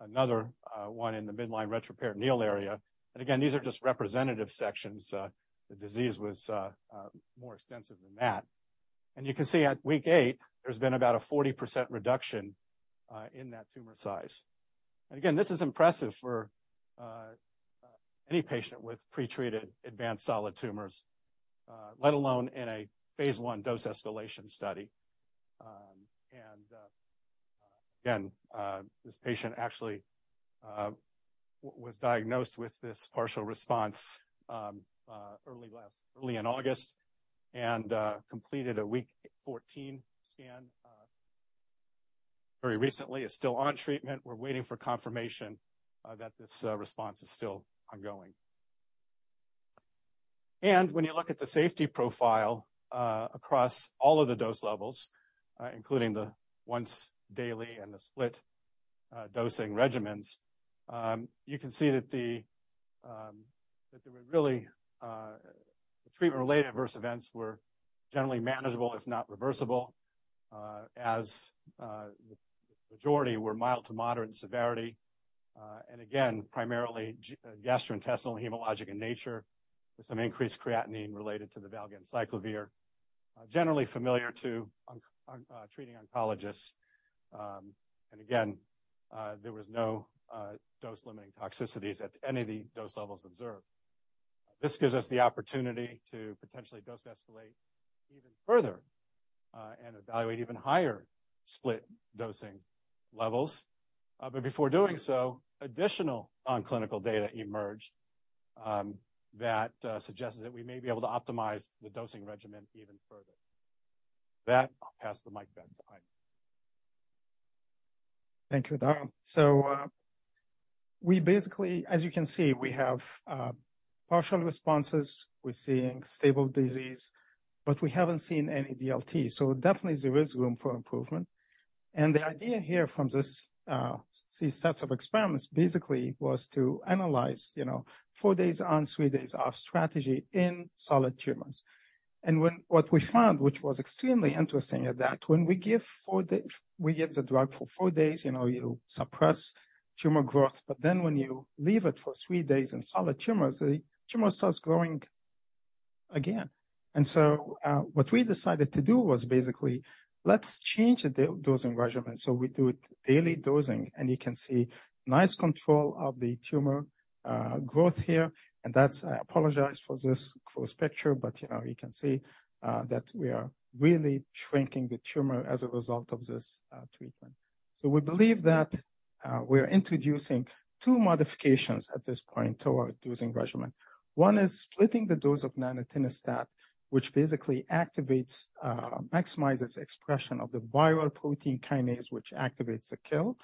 another one in the midline retroperitoneal area. And again, these are just representative sections. The disease was more extensive than that. And you can see at week eight, there's been about a 40% reduction in that tumor size. And again, this is impressive for any patient with pretreated advanced solid tumors, let alone in a phase I dose escalation study. And again, this patient actually was diagnosed with this partial response early in August, and completed a week 14 scan very recently, is still on treatment. We're waiting for confirmation that this response is still ongoing. When you look at the safety profile across all of the dose levels, including the once daily and the split dosing regimens, you can see that the treatment-related adverse events were generally manageable, if not reversible, as the majority were mild to moderate severity, and again, primarily gastrointestinal and hematologic in nature, with some increased creatinine related to the valganciclovir. Generally familiar to treating oncologists. And again, there was no dose-limiting toxicities at any of the dose levels observed. This gives us the opportunity to potentially dose escalate even further, and evaluate even higher split dosing levels. But before doing so, additional non-clinical data emerged that suggested that we may be able to optimize the dosing regimen even further. I'll pass the mic back to Ayman. Thank you, Darrel. So, we basically... As you can see, we have partial responses. We're seeing stable disease, but we haven't seen any DLT, so definitely there is room for improvement. And the idea here from this, these sets of experiments, basically was to analyze, you know, four days on, three days off strategy in solid tumors. And what we found, which was extremely interesting, is that when we give the drug for four days, you know, you suppress tumor growth, but then when you leave it for three days in solid tumors, the tumor starts growing again. And so, what we decided to do was basically, let's change the dosing regimen, so we do it daily dosing, and you can see nice control of the tumor growth here. And that's... I apologize for this close picture, but, you know, you can see that we are really shrinking the tumor as a result of this treatment. So we believe that we're introducing two modifications at this point to our dosing regimen. One is splitting the dose of nanatinostat, which basically activates, maximizes expression of the viral protein kinase, which activates the kill.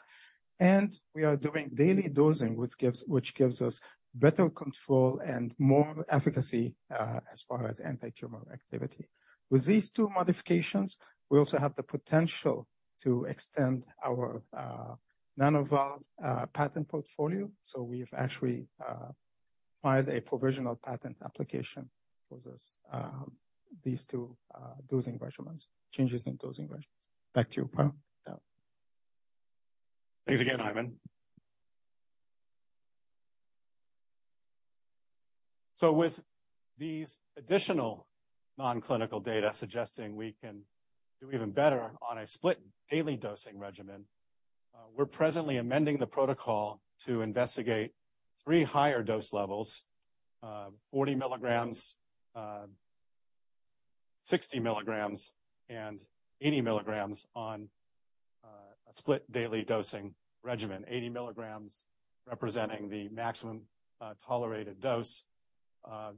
And we are doing daily dosing, which gives us better control and more efficacy as far as antitumor activity. With these two modifications, we also have the potential to extend our Nana-val patent portfolio. So we've actually filed a provisional patent application for these two changes in dosing regimens. Back to you, Darrel. Thanks again, Ayman. So with these additional non-clinical data suggesting we can do even better on a split daily dosing regimen, we're presently amending the protocol to investigate three higher dose levels, 40 mg, 60 mg, and 80 mg on a split daily dosing regimen. Eighty mg representing the maximum tolerated dose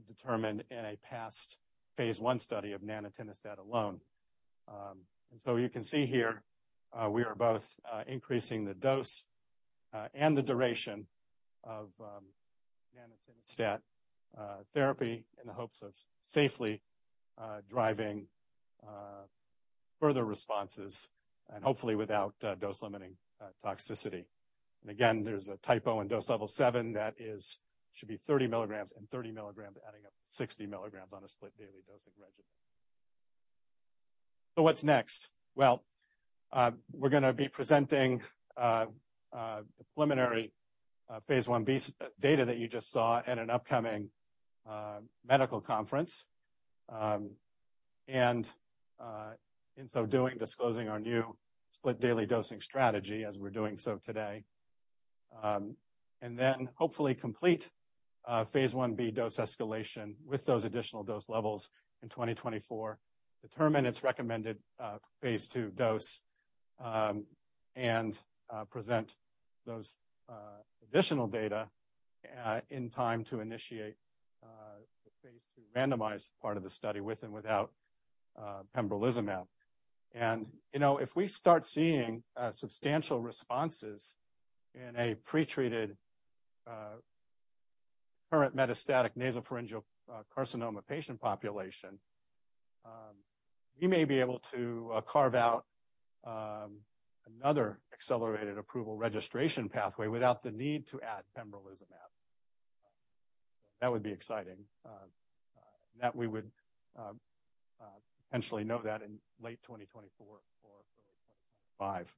determined in a past phase I study of nanatinostat alone. And so you can see here, we are both increasing the dose and the duration of nanatinostat therapy in the hopes of safely driving further responses and hopefully without dose-limiting toxicity. And again, there's a typo in dose level seven, that is, should be 30 mg and 30 mg, adding up to 60 mg on a split daily dosing regimen. So what's next? Well, we're gonna be presenting preliminary phase Ib data that you just saw at an upcoming medical conference. And in so doing, disclosing our new split daily dosing strategy as we're doing so today. And then hopefully complete phase Ib dose escalation with those additional dose levels in 2024, determine its recommended phase II dose, and present those additional data in time to initiate the phase II randomized part of the study with and without pembrolizumab. And, you know, if we start seeing substantial responses in a pretreated current metastatic nasopharyngeal carcinoma patient population, we may be able to carve out another accelerated approval registration pathway without the need to add pembrolizumab. That would be exciting that we would potentially know that in late 2024 or early 2025.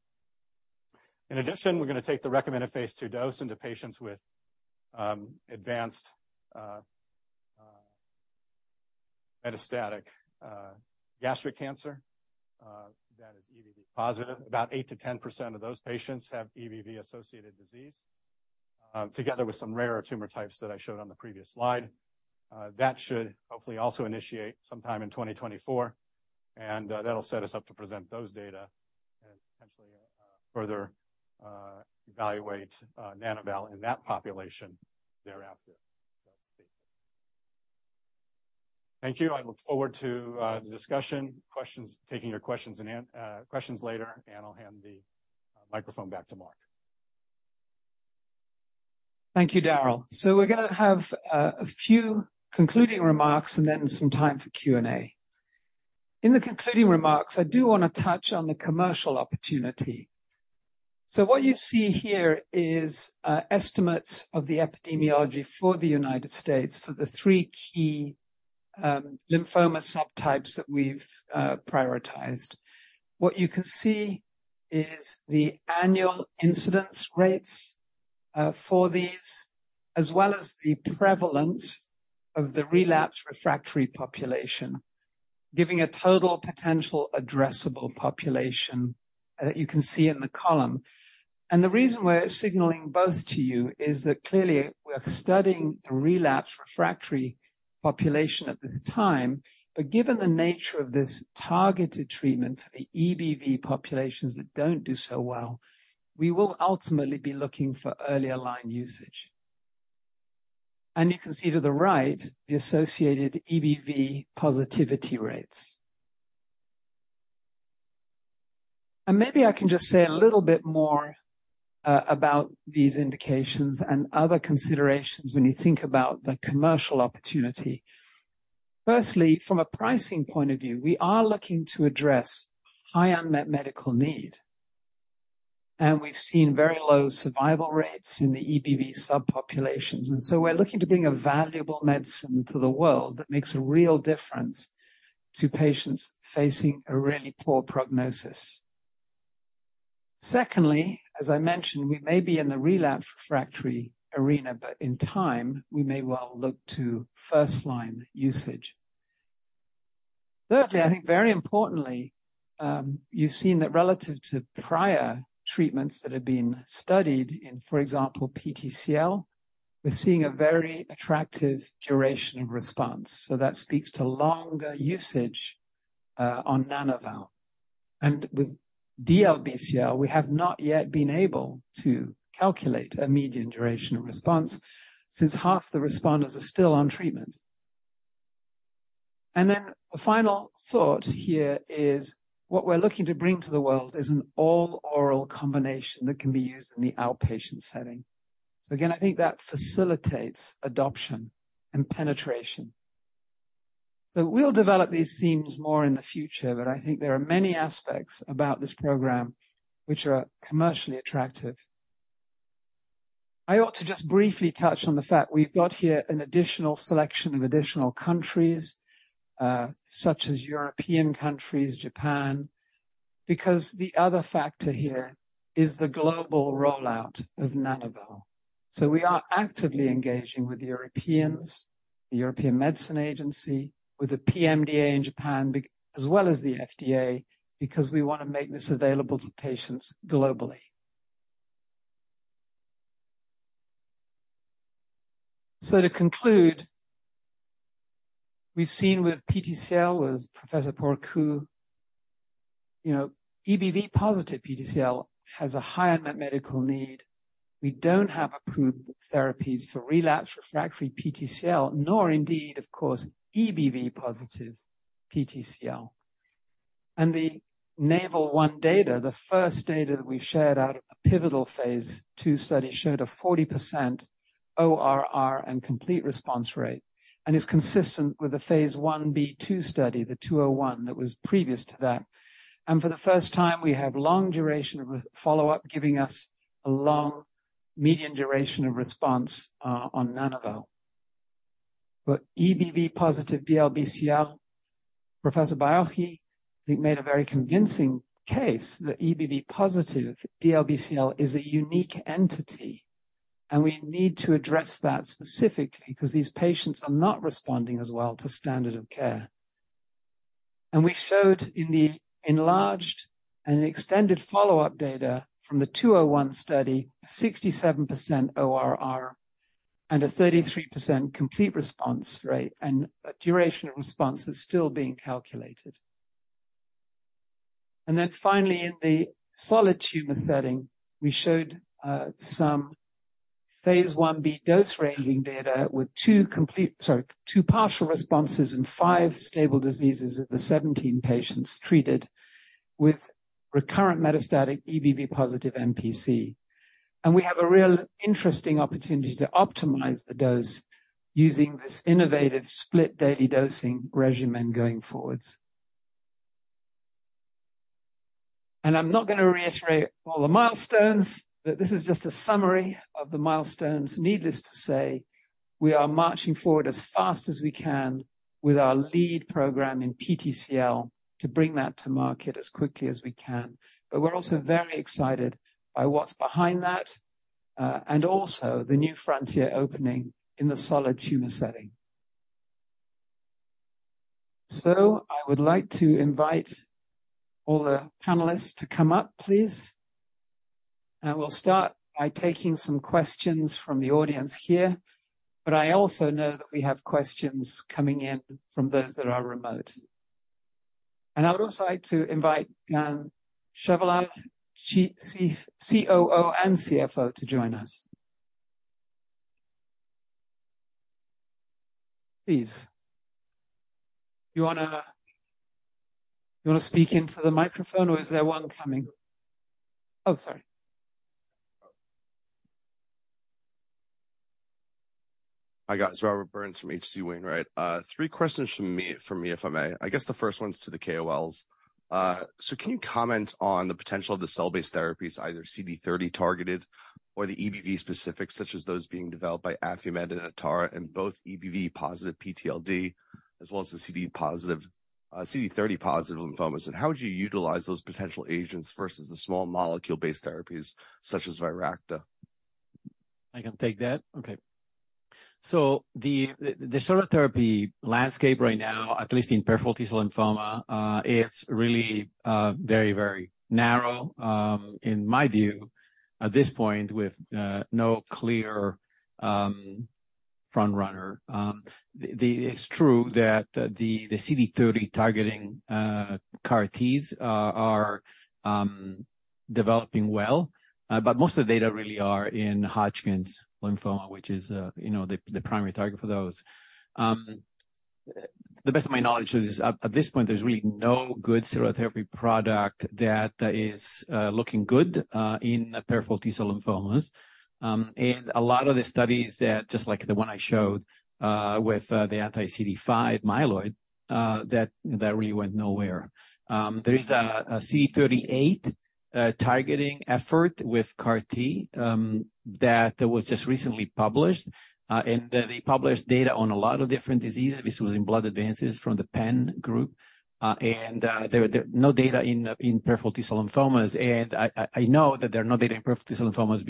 In addition, we're gonna take the recommended phase II dose into patients with advanced metastatic gastric cancer that is EBV positive. About 8%-10% of those patients have EBV-associated disease, together with some rarer tumor types that I showed on the previous slide. That should hopefully also initiate sometime in 2024, and that'll set us up to present those data and potentially further evaluate Nana-val in that population thereafter. So thank you. Thank you. I look forward to the discussion, questions, taking your questions and questions later, and I'll hand the microphone back to Mark. Thank you, Darrel. So we're gonna have a few concluding remarks and then some time for Q&A. In the concluding remarks, I do wanna touch on the commercial opportunity. So what you see here is estimates of the epidemiology for the United States for the three key lymphoma subtypes that we've prioritized. What you can see is the annual incidence rates for these, as well as the prevalence of the relapsed refractory population, giving a total potential addressable population that you can see in the column. And the reason we're signaling both to you is that clearly we're studying the relapsed refractory population at this time. But given the nature of this targeted treatment for the EBV populations that don't do so well, we will ultimately be looking for earlier line usage. And you can see to the right, the associated EBV positivity rates. And maybe I can just say a little bit more about these indications and other considerations when you think about the commercial opportunity. Firstly, from a pricing point of view, we are looking to address high unmet medical need, and we've seen very low survival rates in the EBV subpopulations. And so we're looking to bring a valuable medicine to the world that makes a real difference to patients facing a really poor prognosis. Secondly, as I mentioned, we may be in the relapse refractory arena, but in time, we may well look to first-line usage. Thirdly, I think very importantly, you've seen that relative to prior treatments that have been studied in, for example, PTCL, we're seeing a very attractive duration of response. So that speaks to longer usage on Nana-val. With DLBCL, we have not yet been able to calculate a median duration of response since half the responders are still on treatment. Then the final thought here is, what we're looking to bring to the world is an all-oral combination that can be used in the outpatient setting. So again, I think that facilitates adoption and penetration. So we'll develop these themes more in the future, but I think there are many aspects about this program which are commercially attractive. I ought to just briefly touch on the fact we've got here an additional selection of additional countries, such as European countries, Japan, because the other factor here is the global rollout of Nana-val. So we are actively engaging with the European Medicines Agency, with the PMDA in Japan, as well as the FDA, because we want to make this available to patients globally. So to conclude, we've seen with PTCL, with Professor Porcu, you know, EBV-positive PTCL has a high unmet medical need. We don't have approved therapies for relapsed/refractory PTCL, nor indeed, of course, EBV-positive PTCL. And the NAVAL-1 data, the first data that we've shared out of the pivotal phase II study, showed a 40% ORR and complete response rate, and is consistent with the phase Ib/II study, the 201 that was previous to that. And for the first time, we have long duration of follow-up, giving us a long median duration of response on Nana-val. But EBV-positive DLBCL, Professor Baiocchi, I think, made a very convincing case that EBV-positive DLBCL is a unique entity, and we need to address that specifically because these patients are not responding as well to standard of care. And we showed in the enlarged and extended follow-up data from the 201 study, 67% ORR and a 33% complete response rate, and a duration of response that's still being calculated. And then finally, in the solid tumor setting, we showed some phase Ib dose-ranging data with two partial responses and five stable diseases of the 17 patients treated with recurrent metastatic EBV-positive NPC. And we have a real interesting opportunity to optimize the dose using this innovative split daily dosing regimen going forward. I'm not gonna reiterate all the milestones, but this is just a summary of the milestones. Needless to say, we are marching forward as fast as we can with our lead program in PTCL to bring that to market as quickly as we can. But we're also very excited by what's behind that, and also the new frontier opening in the solid tumor setting. So I would like to invite all the panelists to come up, please, and we'll start by taking some questions from the audience here. But I also know that we have questions coming in from those that are remote. And I would also like to invite Dan Chevallard, COO and CFO, to join us. Please. You wanna speak into the microphone or is there one coming? Oh, sorry. Hi, guys. Robert Burns from H.C. Wainwright. Three questions from me, if I may. I guess the first one is to the KOLs. So can you comment on the potential of the cell-based therapies, either CD30-targeted or the EBV-specifics, such as those being developed by Affimed and Atara, in both EBV-positive PTLD as well as the CD30-positive lymphomas, and how would you utilize those potential agents versus the small molecule-based therapies such as Viracta? I can take that. Okay. So the cell therapy landscape right now, at least in peripheral T-cell lymphoma, it's really very, very narrow in my view, at this point, with no clear front runner. It's true that the CD30 targeting CAR-Ts are developing well, but most of the data really are in Hodgkin's lymphoma, which is, you know, the primary target for those. The best of my knowledge is at this point, there's really no good cell therapy product that is looking good in peripheral T-cell lymphomas. And a lot of the studies that, just like the one I showed, with the anti-CD5 myeloid, that really went nowhere. There is a CD38 targeting effort with CAR-T that was just recently published, and they published data on a lot of different diseases. This was in Blood Advances from the Penn Group, and there no data in peripheral T-cell lymphomas, and I know that there are no data in peripheral T-cell lymphoma.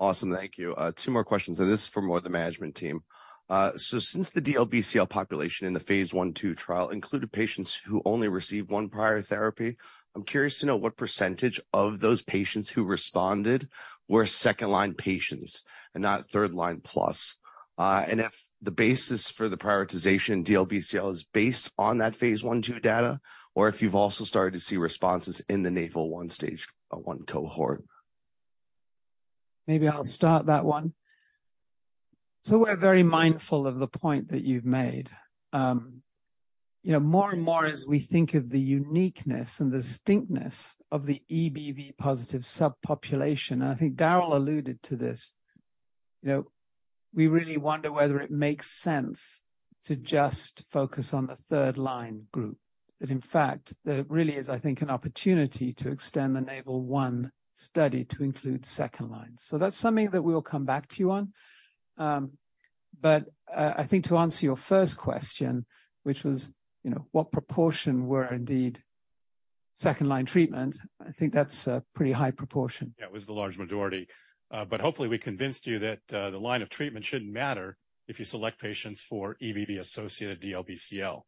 Awesome. Thank you. Two more questions, and this is for more of the management team. So since the DLBCL population in the phase I/II trial included patients who only received one prior therapy, I'm curious to know what percentage of those patients who responded were second-line patients and not third-line plus? And if the basis for the prioritization DLBCL is based on that phase I/II data, or if you've also started to see responses in the NAVAL-1 Stage I cohort. Maybe I'll start that one. So we're very mindful of the point that you've made. You know, more and more, as we think of the uniqueness and distinctness of the EBV positive subpopulation, and I think Darrel alluded to this, you know, we really wonder whether it makes sense to just focus on the third line group, that in fact, there really is, I think, an opportunity to extend the NAVAL-1 study to include second line. So that's something that we'll come back to you on. But I think to answer your first question, which was, you know, what proportion were indeed second line treatment, I think that's a pretty high proportion. Yeah, it was the large majority, but hopefully, we convinced you that the line of treatment shouldn't matter if you select patients for EBV-associated DLBCL.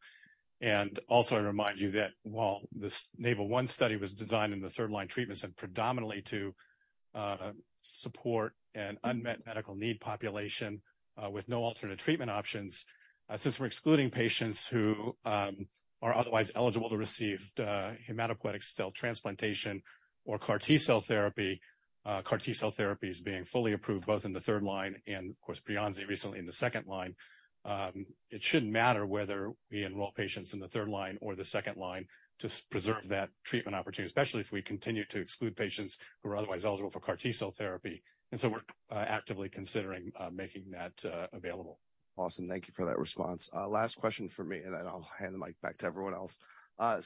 And also, I remind you that while this NAVAL-1 study was designed in the third line treatments and predominantly to support an unmet medical need population with no alternate treatment options, since we're excluding patients who are otherwise eligible to receive hematopoietic cell transplantation or CAR T-cell therapy, CAR T-cell therapy is being fully approved, both in the third line and, of course, beyond recently in the second line. It shouldn't matter whether we enroll patients in the third line or the second line to preserve that treatment opportunity, especially if we continue to exclude patients who are otherwise eligible for CAR T-cell therapy. And so we're actively considering making that available. Awesome. Thank you for that response. Last question from me, and then I'll hand the mic back to everyone else.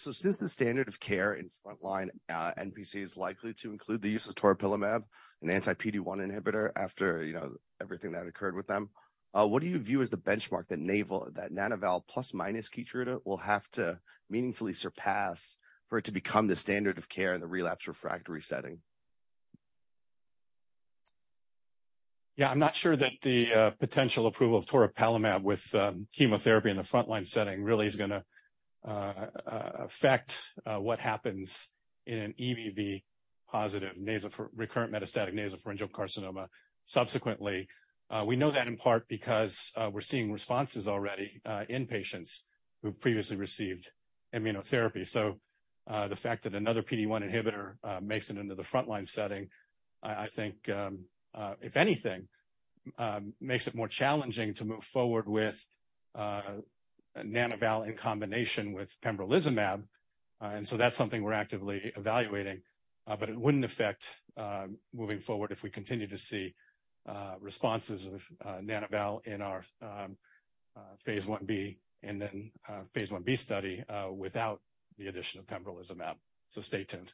So since the standard of care in frontline NPC is likely to include the use of toripalimab, an anti-PD-1 inhibitor, after, you know, everything that occurred with them, what do you view as the benchmark that NAVAL-- that Nana-val plus minus Keytruda will have to meaningfully surpass for it to become the standard of care in the relapse-refractory setting? Yeah, I'm not sure that the potential approval of toripalimab with chemotherapy in the frontline setting really is gonna affect what happens in an EBV-positive recurrent metastatic nasopharyngeal carcinoma subsequently. We know that in part because we're seeing responses already in patients who've previously received immunotherapy. So, the fact that another PD-1 inhibitor makes it into the frontline setting, I think, if anything, makes it more challenging to move forward with Nana-val in combination with pembrolizumab. And so that's something we're actively evaluating, but it wouldn't affect moving forward if we continue to see responses of Nana-val in our phase Ib and then phase Ib study without the addition of pembrolizumab. So stay tuned.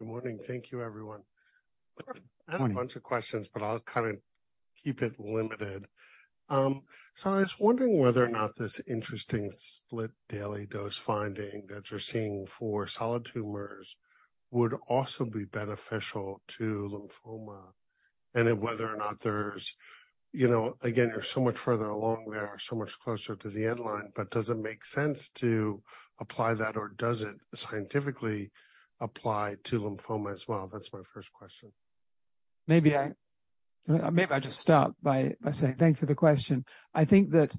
Good morning. Thank you, everyone. Good morning. I have a bunch of questions, but I'll kind of keep it limited. So I was wondering whether or not this interesting split daily dose finding that you're seeing for solid tumors would also be beneficial to lymphoma, and then whether or not there's, you know, again, you're so much further along there, so much closer to the end line, but does it make sense to apply that, or does it scientifically apply to lymphoma as well? That's my first question. Maybe I just start by saying thanks for the question. I think that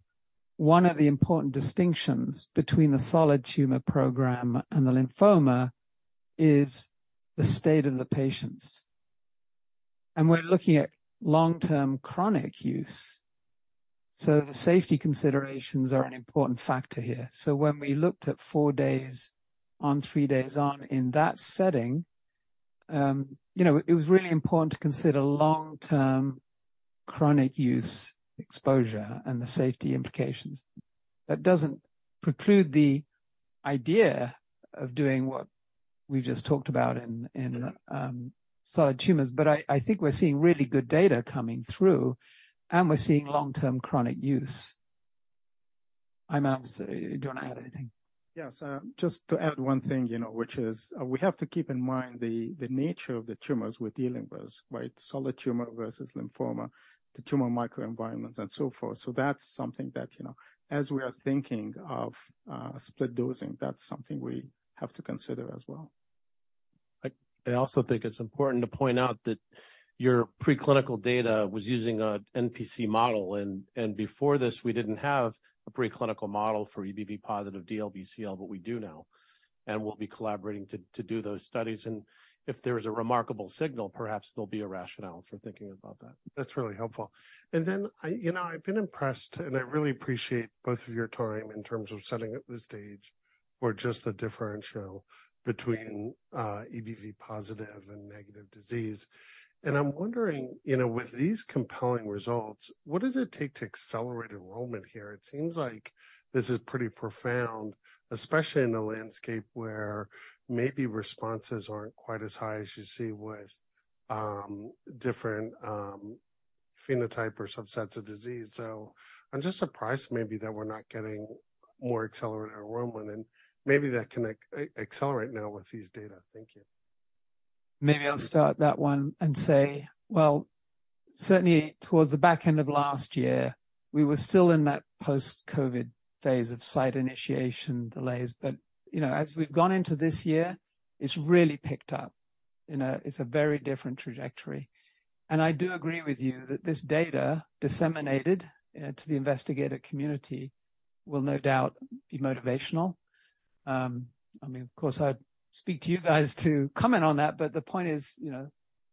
one of the important distinctions between the solid tumor program and the lymphoma is the state of the patients. And we're looking at long-term chronic use, so the safety considerations are an important factor here. So when we looked at four days on, three days on, in that setting, you know, it was really important to consider long-term chronic use exposure and the safety implications. That doesn't preclude the idea of doing what we just talked about in solid tumors, but I think we're seeing really good data coming through, and we're seeing long-term chronic use. Ayman, do you want to add anything? Yes. Just to add one thing, you know, which is, we have to keep in mind the nature of the tumors we're dealing with, right? Solid tumor versus lymphoma, the tumor microenvironments, and so forth. So that's something that, you know, as we are thinking of split dosing, that's something we have to consider as well. I also think it's important to point out that your preclinical data was using a NPC model, and before this, we didn't have a preclinical model for EBV-positive DLBCL, but we do now, and we'll be collaborating to do those studies. And if there's a remarkable signal, perhaps there'll be a rationale for thinking about that. That's really helpful. And then I... You know, I've been impressed, and I really appreciate both of your time in terms of setting up the stage for just the differential between EBV positive and negative disease. And I'm wondering, you know, with these compelling results, what does it take to accelerate enrollment here? It seems like this is pretty profound, especially in a landscape where maybe responses aren't quite as high as you see with different phenotype or subsets of disease. So I'm just surprised maybe that we're not getting more accelerated enrollment, and maybe that can accelerate now with these data. Thank you. Maybe I'll start that one and say, well, certainly towards the back end of last year, we were still in that post-COVID phase of site initiation delays, but, you know, as we've gone into this year, it's really picked up. You know, it's a very different trajectory. I do agree with you that this data disseminated to the investigator community will no doubt be motivational. I mean, of course, I'd speak to you guys to comment on that, but the point is, you know,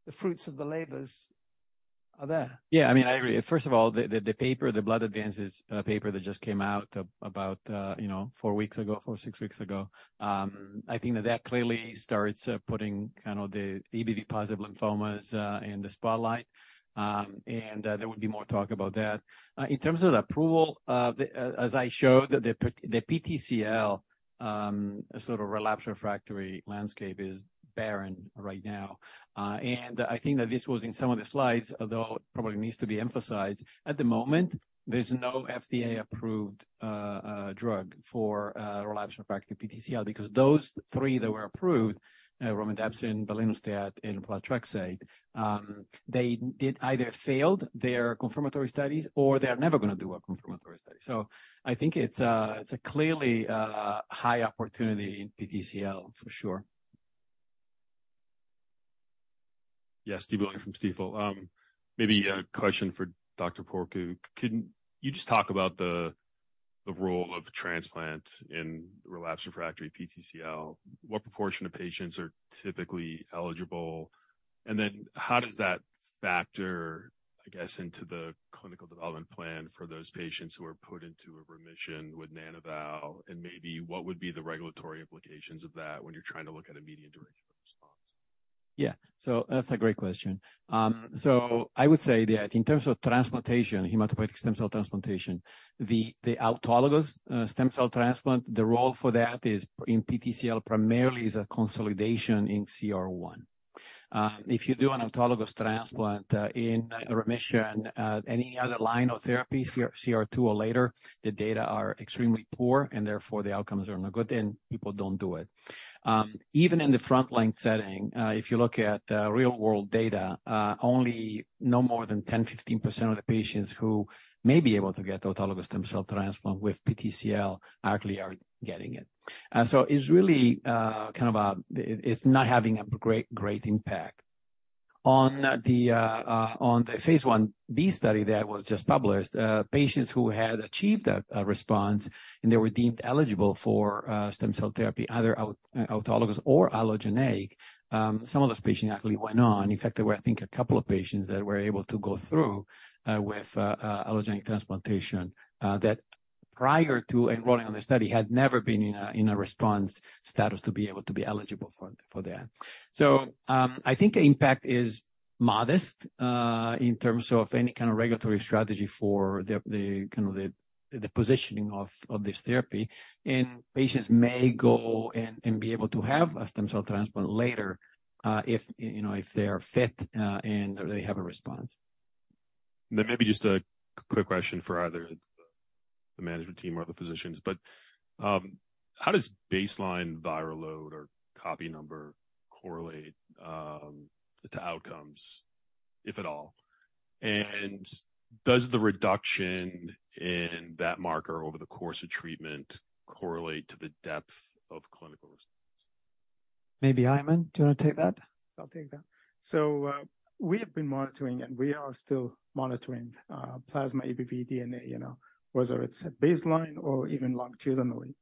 the fruits of the labors are there. Yeah, I mean, I agree. First of all, the paper, the Blood Advances paper that just came out about, you know, 4 weeks ago, 4, 6 weeks ago, I think that that clearly starts putting kind of the EBV-positive lymphomas in the spotlight, and there will be more talk about that. In terms of the approval, as I showed, the PTCL sort of relapse refractory landscape is barren right now. And I think that this was in some of the slides, although it probably needs to be emphasized. At the moment, there's no FDA-approved drug for relapse refractory PTCL because those three that were approved, romidepsin, belinostat, and bortezomib, they did either failed their confirmatory studies or they're never gonna do a confirmatory study. So I think it's clearly a high opportunity in PTCL, for sure. Yes, Stephen Willey from Stifel. Maybe a question for Dr. Porcu. Can you just talk about the role of transplant in relapsed/refractory PTCL? What proportion of patients are typically eligible? And then how does that factor, I guess, into the clinical development plan for those patients who are put into a remission with Nana-val? And maybe what would be the regulatory implications of that when you're trying to look at a median duration of response? Yeah. So that's a great question. So I would say that in terms of transplantation, hematopoietic stem cell transplantation, the autologous stem cell transplant, the role for that is, in PTCL, primarily is a consolidation in CR1. If you do an autologous transplant in remission, any other line of therapy, CR2 or later, the data are extremely poor, and therefore the outcomes are no good, and people don't do it. Even in the front-line setting, if you look at real-world data, only no more than 10%-15% of the patients who may be able to get autologous stem cell transplant with PTCL actually are getting it. So it's really kind of it's not having a great, great impact. On the phase Ib study that was just published, patients who had achieved a response, and they were deemed eligible for stem cell therapy, either autologous or allogeneic, some of those patients actually went on. In fact, there were, I think, a couple of patients that were able to go through with allogeneic transplantation that prior to enrolling on the study, had never been in a response status to be able to be eligible for that. So, I think the impact is modest in terms of any kind of regulatory strategy for the kind of positioning of this therapy. Patients may go and be able to have a stem cell transplant later, you know, if they are fit and they have a response. Maybe just a quick question for either the management team or the physicians, but how does baseline viral load or copy number correlate to outcomes, if at all? And does the reduction in that marker over the course of treatment correlate to the depth of clinical response? Maybe, Ayman, do you want to take that? So I'll take that. So, we have been monitoring, and we are still monitoring, plasma EBV DNA, you know, whether it's at baseline or even longitudinally.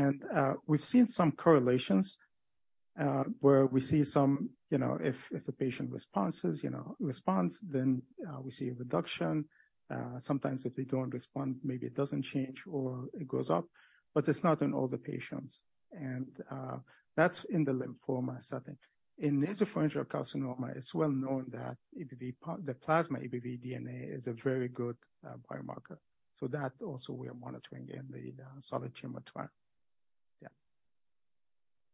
And, we've seen some correlations where we see some, you know, if a patient responds, you know, then we see a reduction. Sometimes if they don't respond, maybe it doesn't change or it goes up, but it's not in all the patients. And, that's in the lymphoma setting. In nasopharyngeal carcinoma, it's well known that the plasma EBV DNA is a very good biomarker. So that also we are monitoring in the solid tumor trial. Yeah.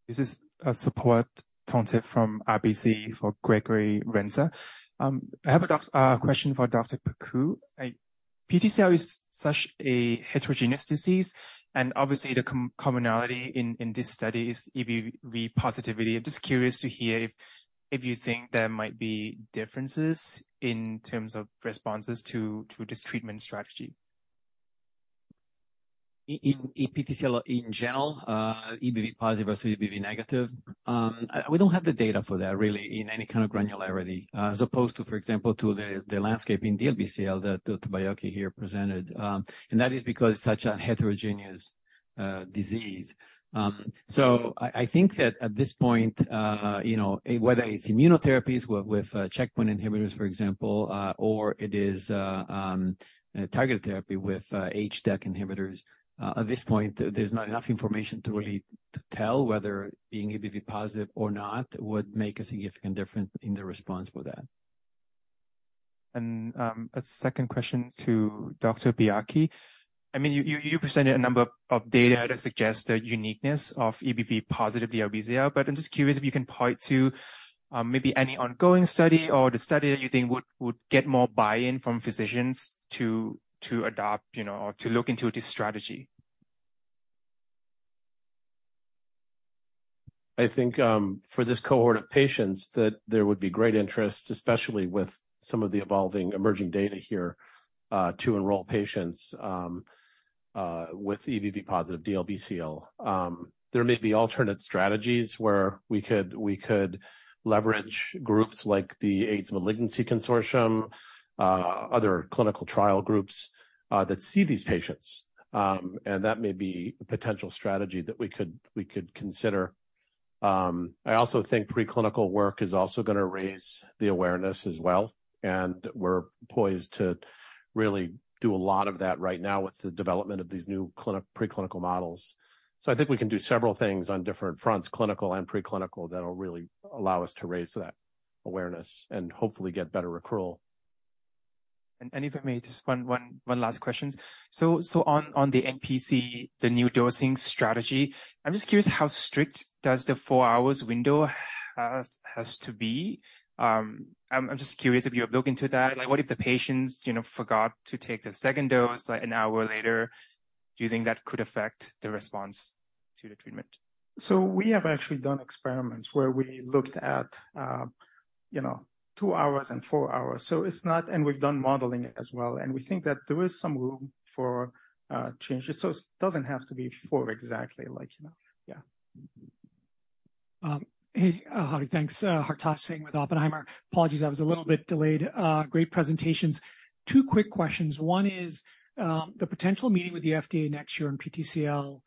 This is Supawat Thongthip from RBC for Gregory Renza. I have a quick question for Dr. Porcu. PTCL is such a heterogeneous disease, and obviously the commonality in this study is EBV positivity. I'm just curious to hear if you think there might be differences in terms of responses to this treatment strategy. In PTCL in general, EBV positive versus EBV negative, we don't have the data for that really in any kind of granularity, as opposed to, for example, the landscape in DLBCL that Baiocchi here presented. That is because it's such a heterogeneous disease. So I think that at this point, you know, whether it's immunotherapies with checkpoint inhibitors, for example, or it is targeted therapy with HDAC inhibitors, at this point there's not enough information to really tell whether being EBV positive or not would make a significant difference in the response for that. A second question to Dr. Baiocchi. I mean, you presented a number of data to suggest the uniqueness of EBV-positive DLBCL, but I'm just curious if you can point to maybe any ongoing study or the study that you think would get more buy-in from physicians to adopt, you know, or to look into this strategy. I think, for this cohort of patients, that there would be great interest, especially with some of the evolving emerging data here, to enroll patients, with EBV-positive DLBCL. There may be alternate strategies where we could, we could leverage groups like the AIDS Malignancy Consortium, other clinical trial groups, that see these patients. And that may be a potential strategy that we could, we could consider. I also think preclinical work is also gonna raise the awareness as well, and we're poised to really do a lot of that right now with the development of these new preclinical models. So I think we can do several things on different fronts, clinical and preclinical, that will really allow us to raise that awareness and hopefully get better accrual. If I may, just one last question. So on the NPC, the new dosing strategy, I'm just curious, how strict does the four-hour window have to be? I'm just curious if you have looked into that. Like, what if the patients, you know, forgot to take the second dose, like, an hour later? Do you think that could affect the response to the treatment? So we have actually done experiments where we looked at, you know, 2 hours and 4 hours. So it's not and we've done modeling as well, and we think that there is some room for changes. So it doesn't have to be four exactly, like, you know? Yeah. Hey, hi, thanks. Hartosh Singh with Oppenheimer. Apologies, I was a little bit delayed. Great presentations. two quick questions. One is, the potential meeting with the FDA next year in PTCL,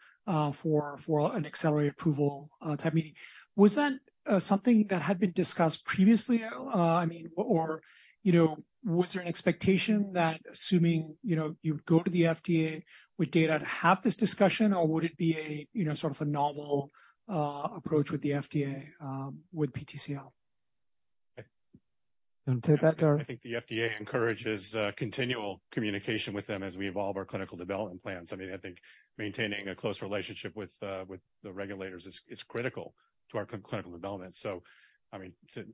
for an accelerated approval, type meeting. Was that, something that had been discussed previously? I mean, or, you know, was there an expectation that assuming, you know, you would go to the FDA with data to have this discussion, or would it be a, you know, sort of a novel, approach with the FDA, with PTCL? You want to take that, Darrel? I think the FDA encourages continual communication with them as we evolve our clinical development plans. I mean, I think maintaining a close relationship with the regulators is critical to our clinical development. So, I mean, to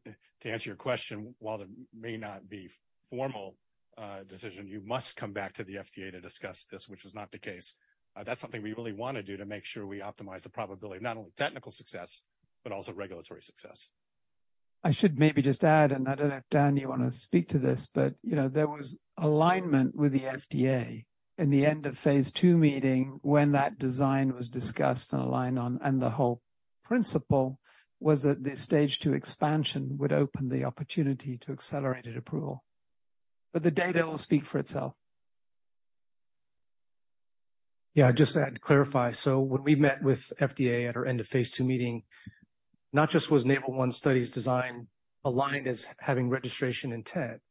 answer your question, while there may not be formal decision, you must come back to the FDA to discuss this, which was not the case. That's something we really wanna do to make sure we optimize the probability of not only technical success, but also regulatory success. I should maybe just add, and I don't know if, Dan, you wanna speak to this, but, you know, there was alignment with the FDA in the end of phase II meeting when that design was discussed and aligned on, and the whole principle was that the stage II expansion would open the opportunity to accelerated approval, but the data will speak for itself. Yeah, just to clarify. So when we met with FDA at our end-of-phase II meeting, not just was NAVAL-1 study's design aligned as having registration intent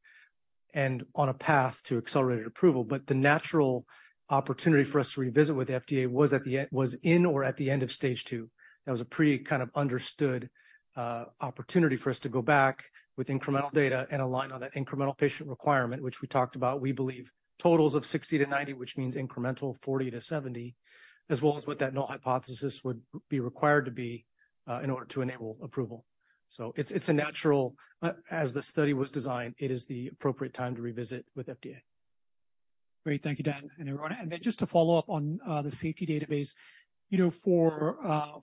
and on a path to accelerated approval, but the natural opportunity for us to revisit with the FDA was at the end—was in or at the end of phase II. That was a pre kind of understood opportunity for us to go back with incremental data and align on that incremental patient requirement, which we talked about. We believe totals of 60-90, which means incremental 40-70, as well as what that null hypothesis would be required to be in order to enable approval. So it's, it's a natural. As the study was designed, it is the appropriate time to revisit with FDA. Great. Thank you, Dan and everyone. And then just to follow up on the safety database. You know, for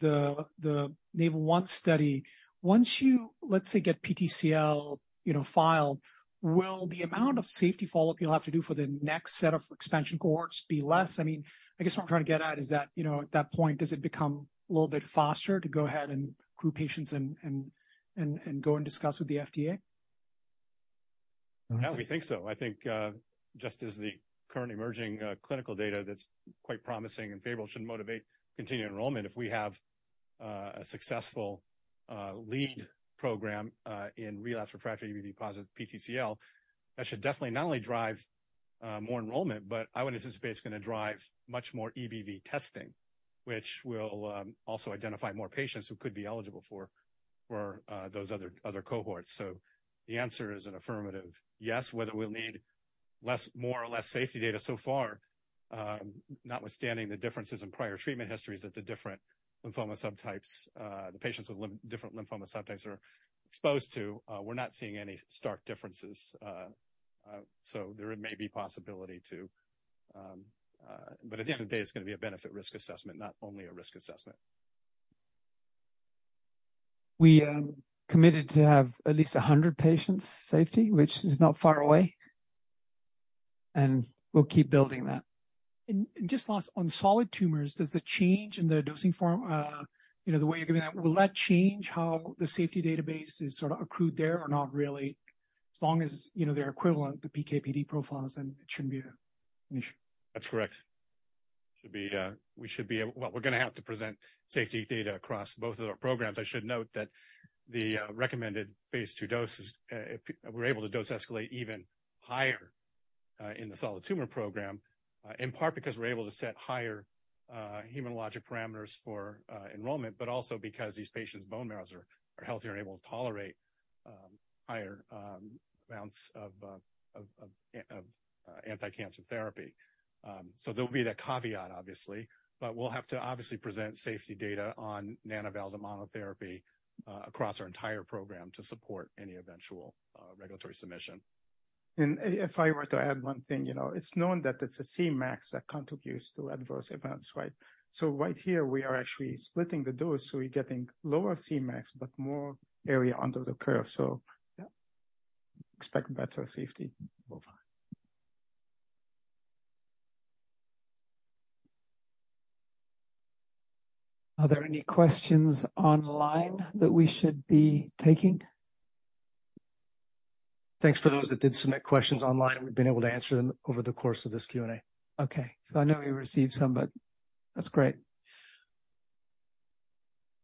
the NAVAL-1 study, once you, let's say, get PTCL, you know, filed, will the amount of safety follow-up you'll have to do for the next set of expansion cohorts be less? I mean, I guess what I'm trying to get at is that, you know, at that point, does it become a little bit faster to go ahead and group patients and go and discuss with the FDA? Yes, we think so. I think, just as the current emerging clinical data that's quite promising and favorable should motivate continued enrollment. If we have a successful lead program in relapse refractory EBV-positive PTCL, that should definitely not only drive more enrollment, but I would anticipate it's gonna drive much more EBV testing, which will also identify more patients who could be eligible for, for, those other, other cohorts. So the answer is an affirmative yes. Whether we'll need less, more or less safety data so far, notwithstanding the differences in prior treatment histories, that the different lymphoma subtypes, the patients with different lymphoma subtypes are exposed to, we're not seeing any stark differences. So there may be possibility to-- But at the end of the day, it's gonna be a benefit-risk assessment, not only a risk assessment. We're committed to have at least 100 patient safety, which is not far away, and we'll keep building that. And just last, on solid tumors, does the change in the dosing form, you know, the way you're giving that, will that change how the safety database is sort of accrued there or not really? As long as, you know, they're equivalent, the PK/PD profiles, then it shouldn't be an issue. That's correct. We should be able. Well, we're gonna have to present safety data across both of our programs. I should note that the recommended phase two dose is, if we're able to dose escalate even higher, in the solid tumor program, in part because we're able to set higher hematologic parameters for enrollment, but also because these patients' bone marrows are healthier and able to tolerate higher amounts of anticancer therapy. So there'll be that caveat, obviously, but we'll have to obviously present safety data on Nana-val's and monotherapy, across our entire program to support any eventual regulatory submission. If I were to add one thing, you know, it's known that it's a Cmax that contributes to adverse events, right? So right here we are actually splitting the dose, so we're getting lower Cmax, but more area under the curve. So yeah, expect better safety overall. Are there any questions online that we should be taking? Thanks for those that did submit questions online. We've been able to answer them over the course of this Q&A. Okay. I know we received some, but that's great.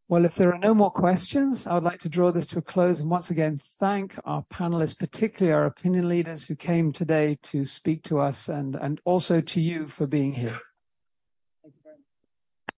Well, if there are no more questions, I would like to draw this to a close and once again, thank our panelists, particularly our opinion leaders who came today to speak to us, and also to you for being here. Thank you very much.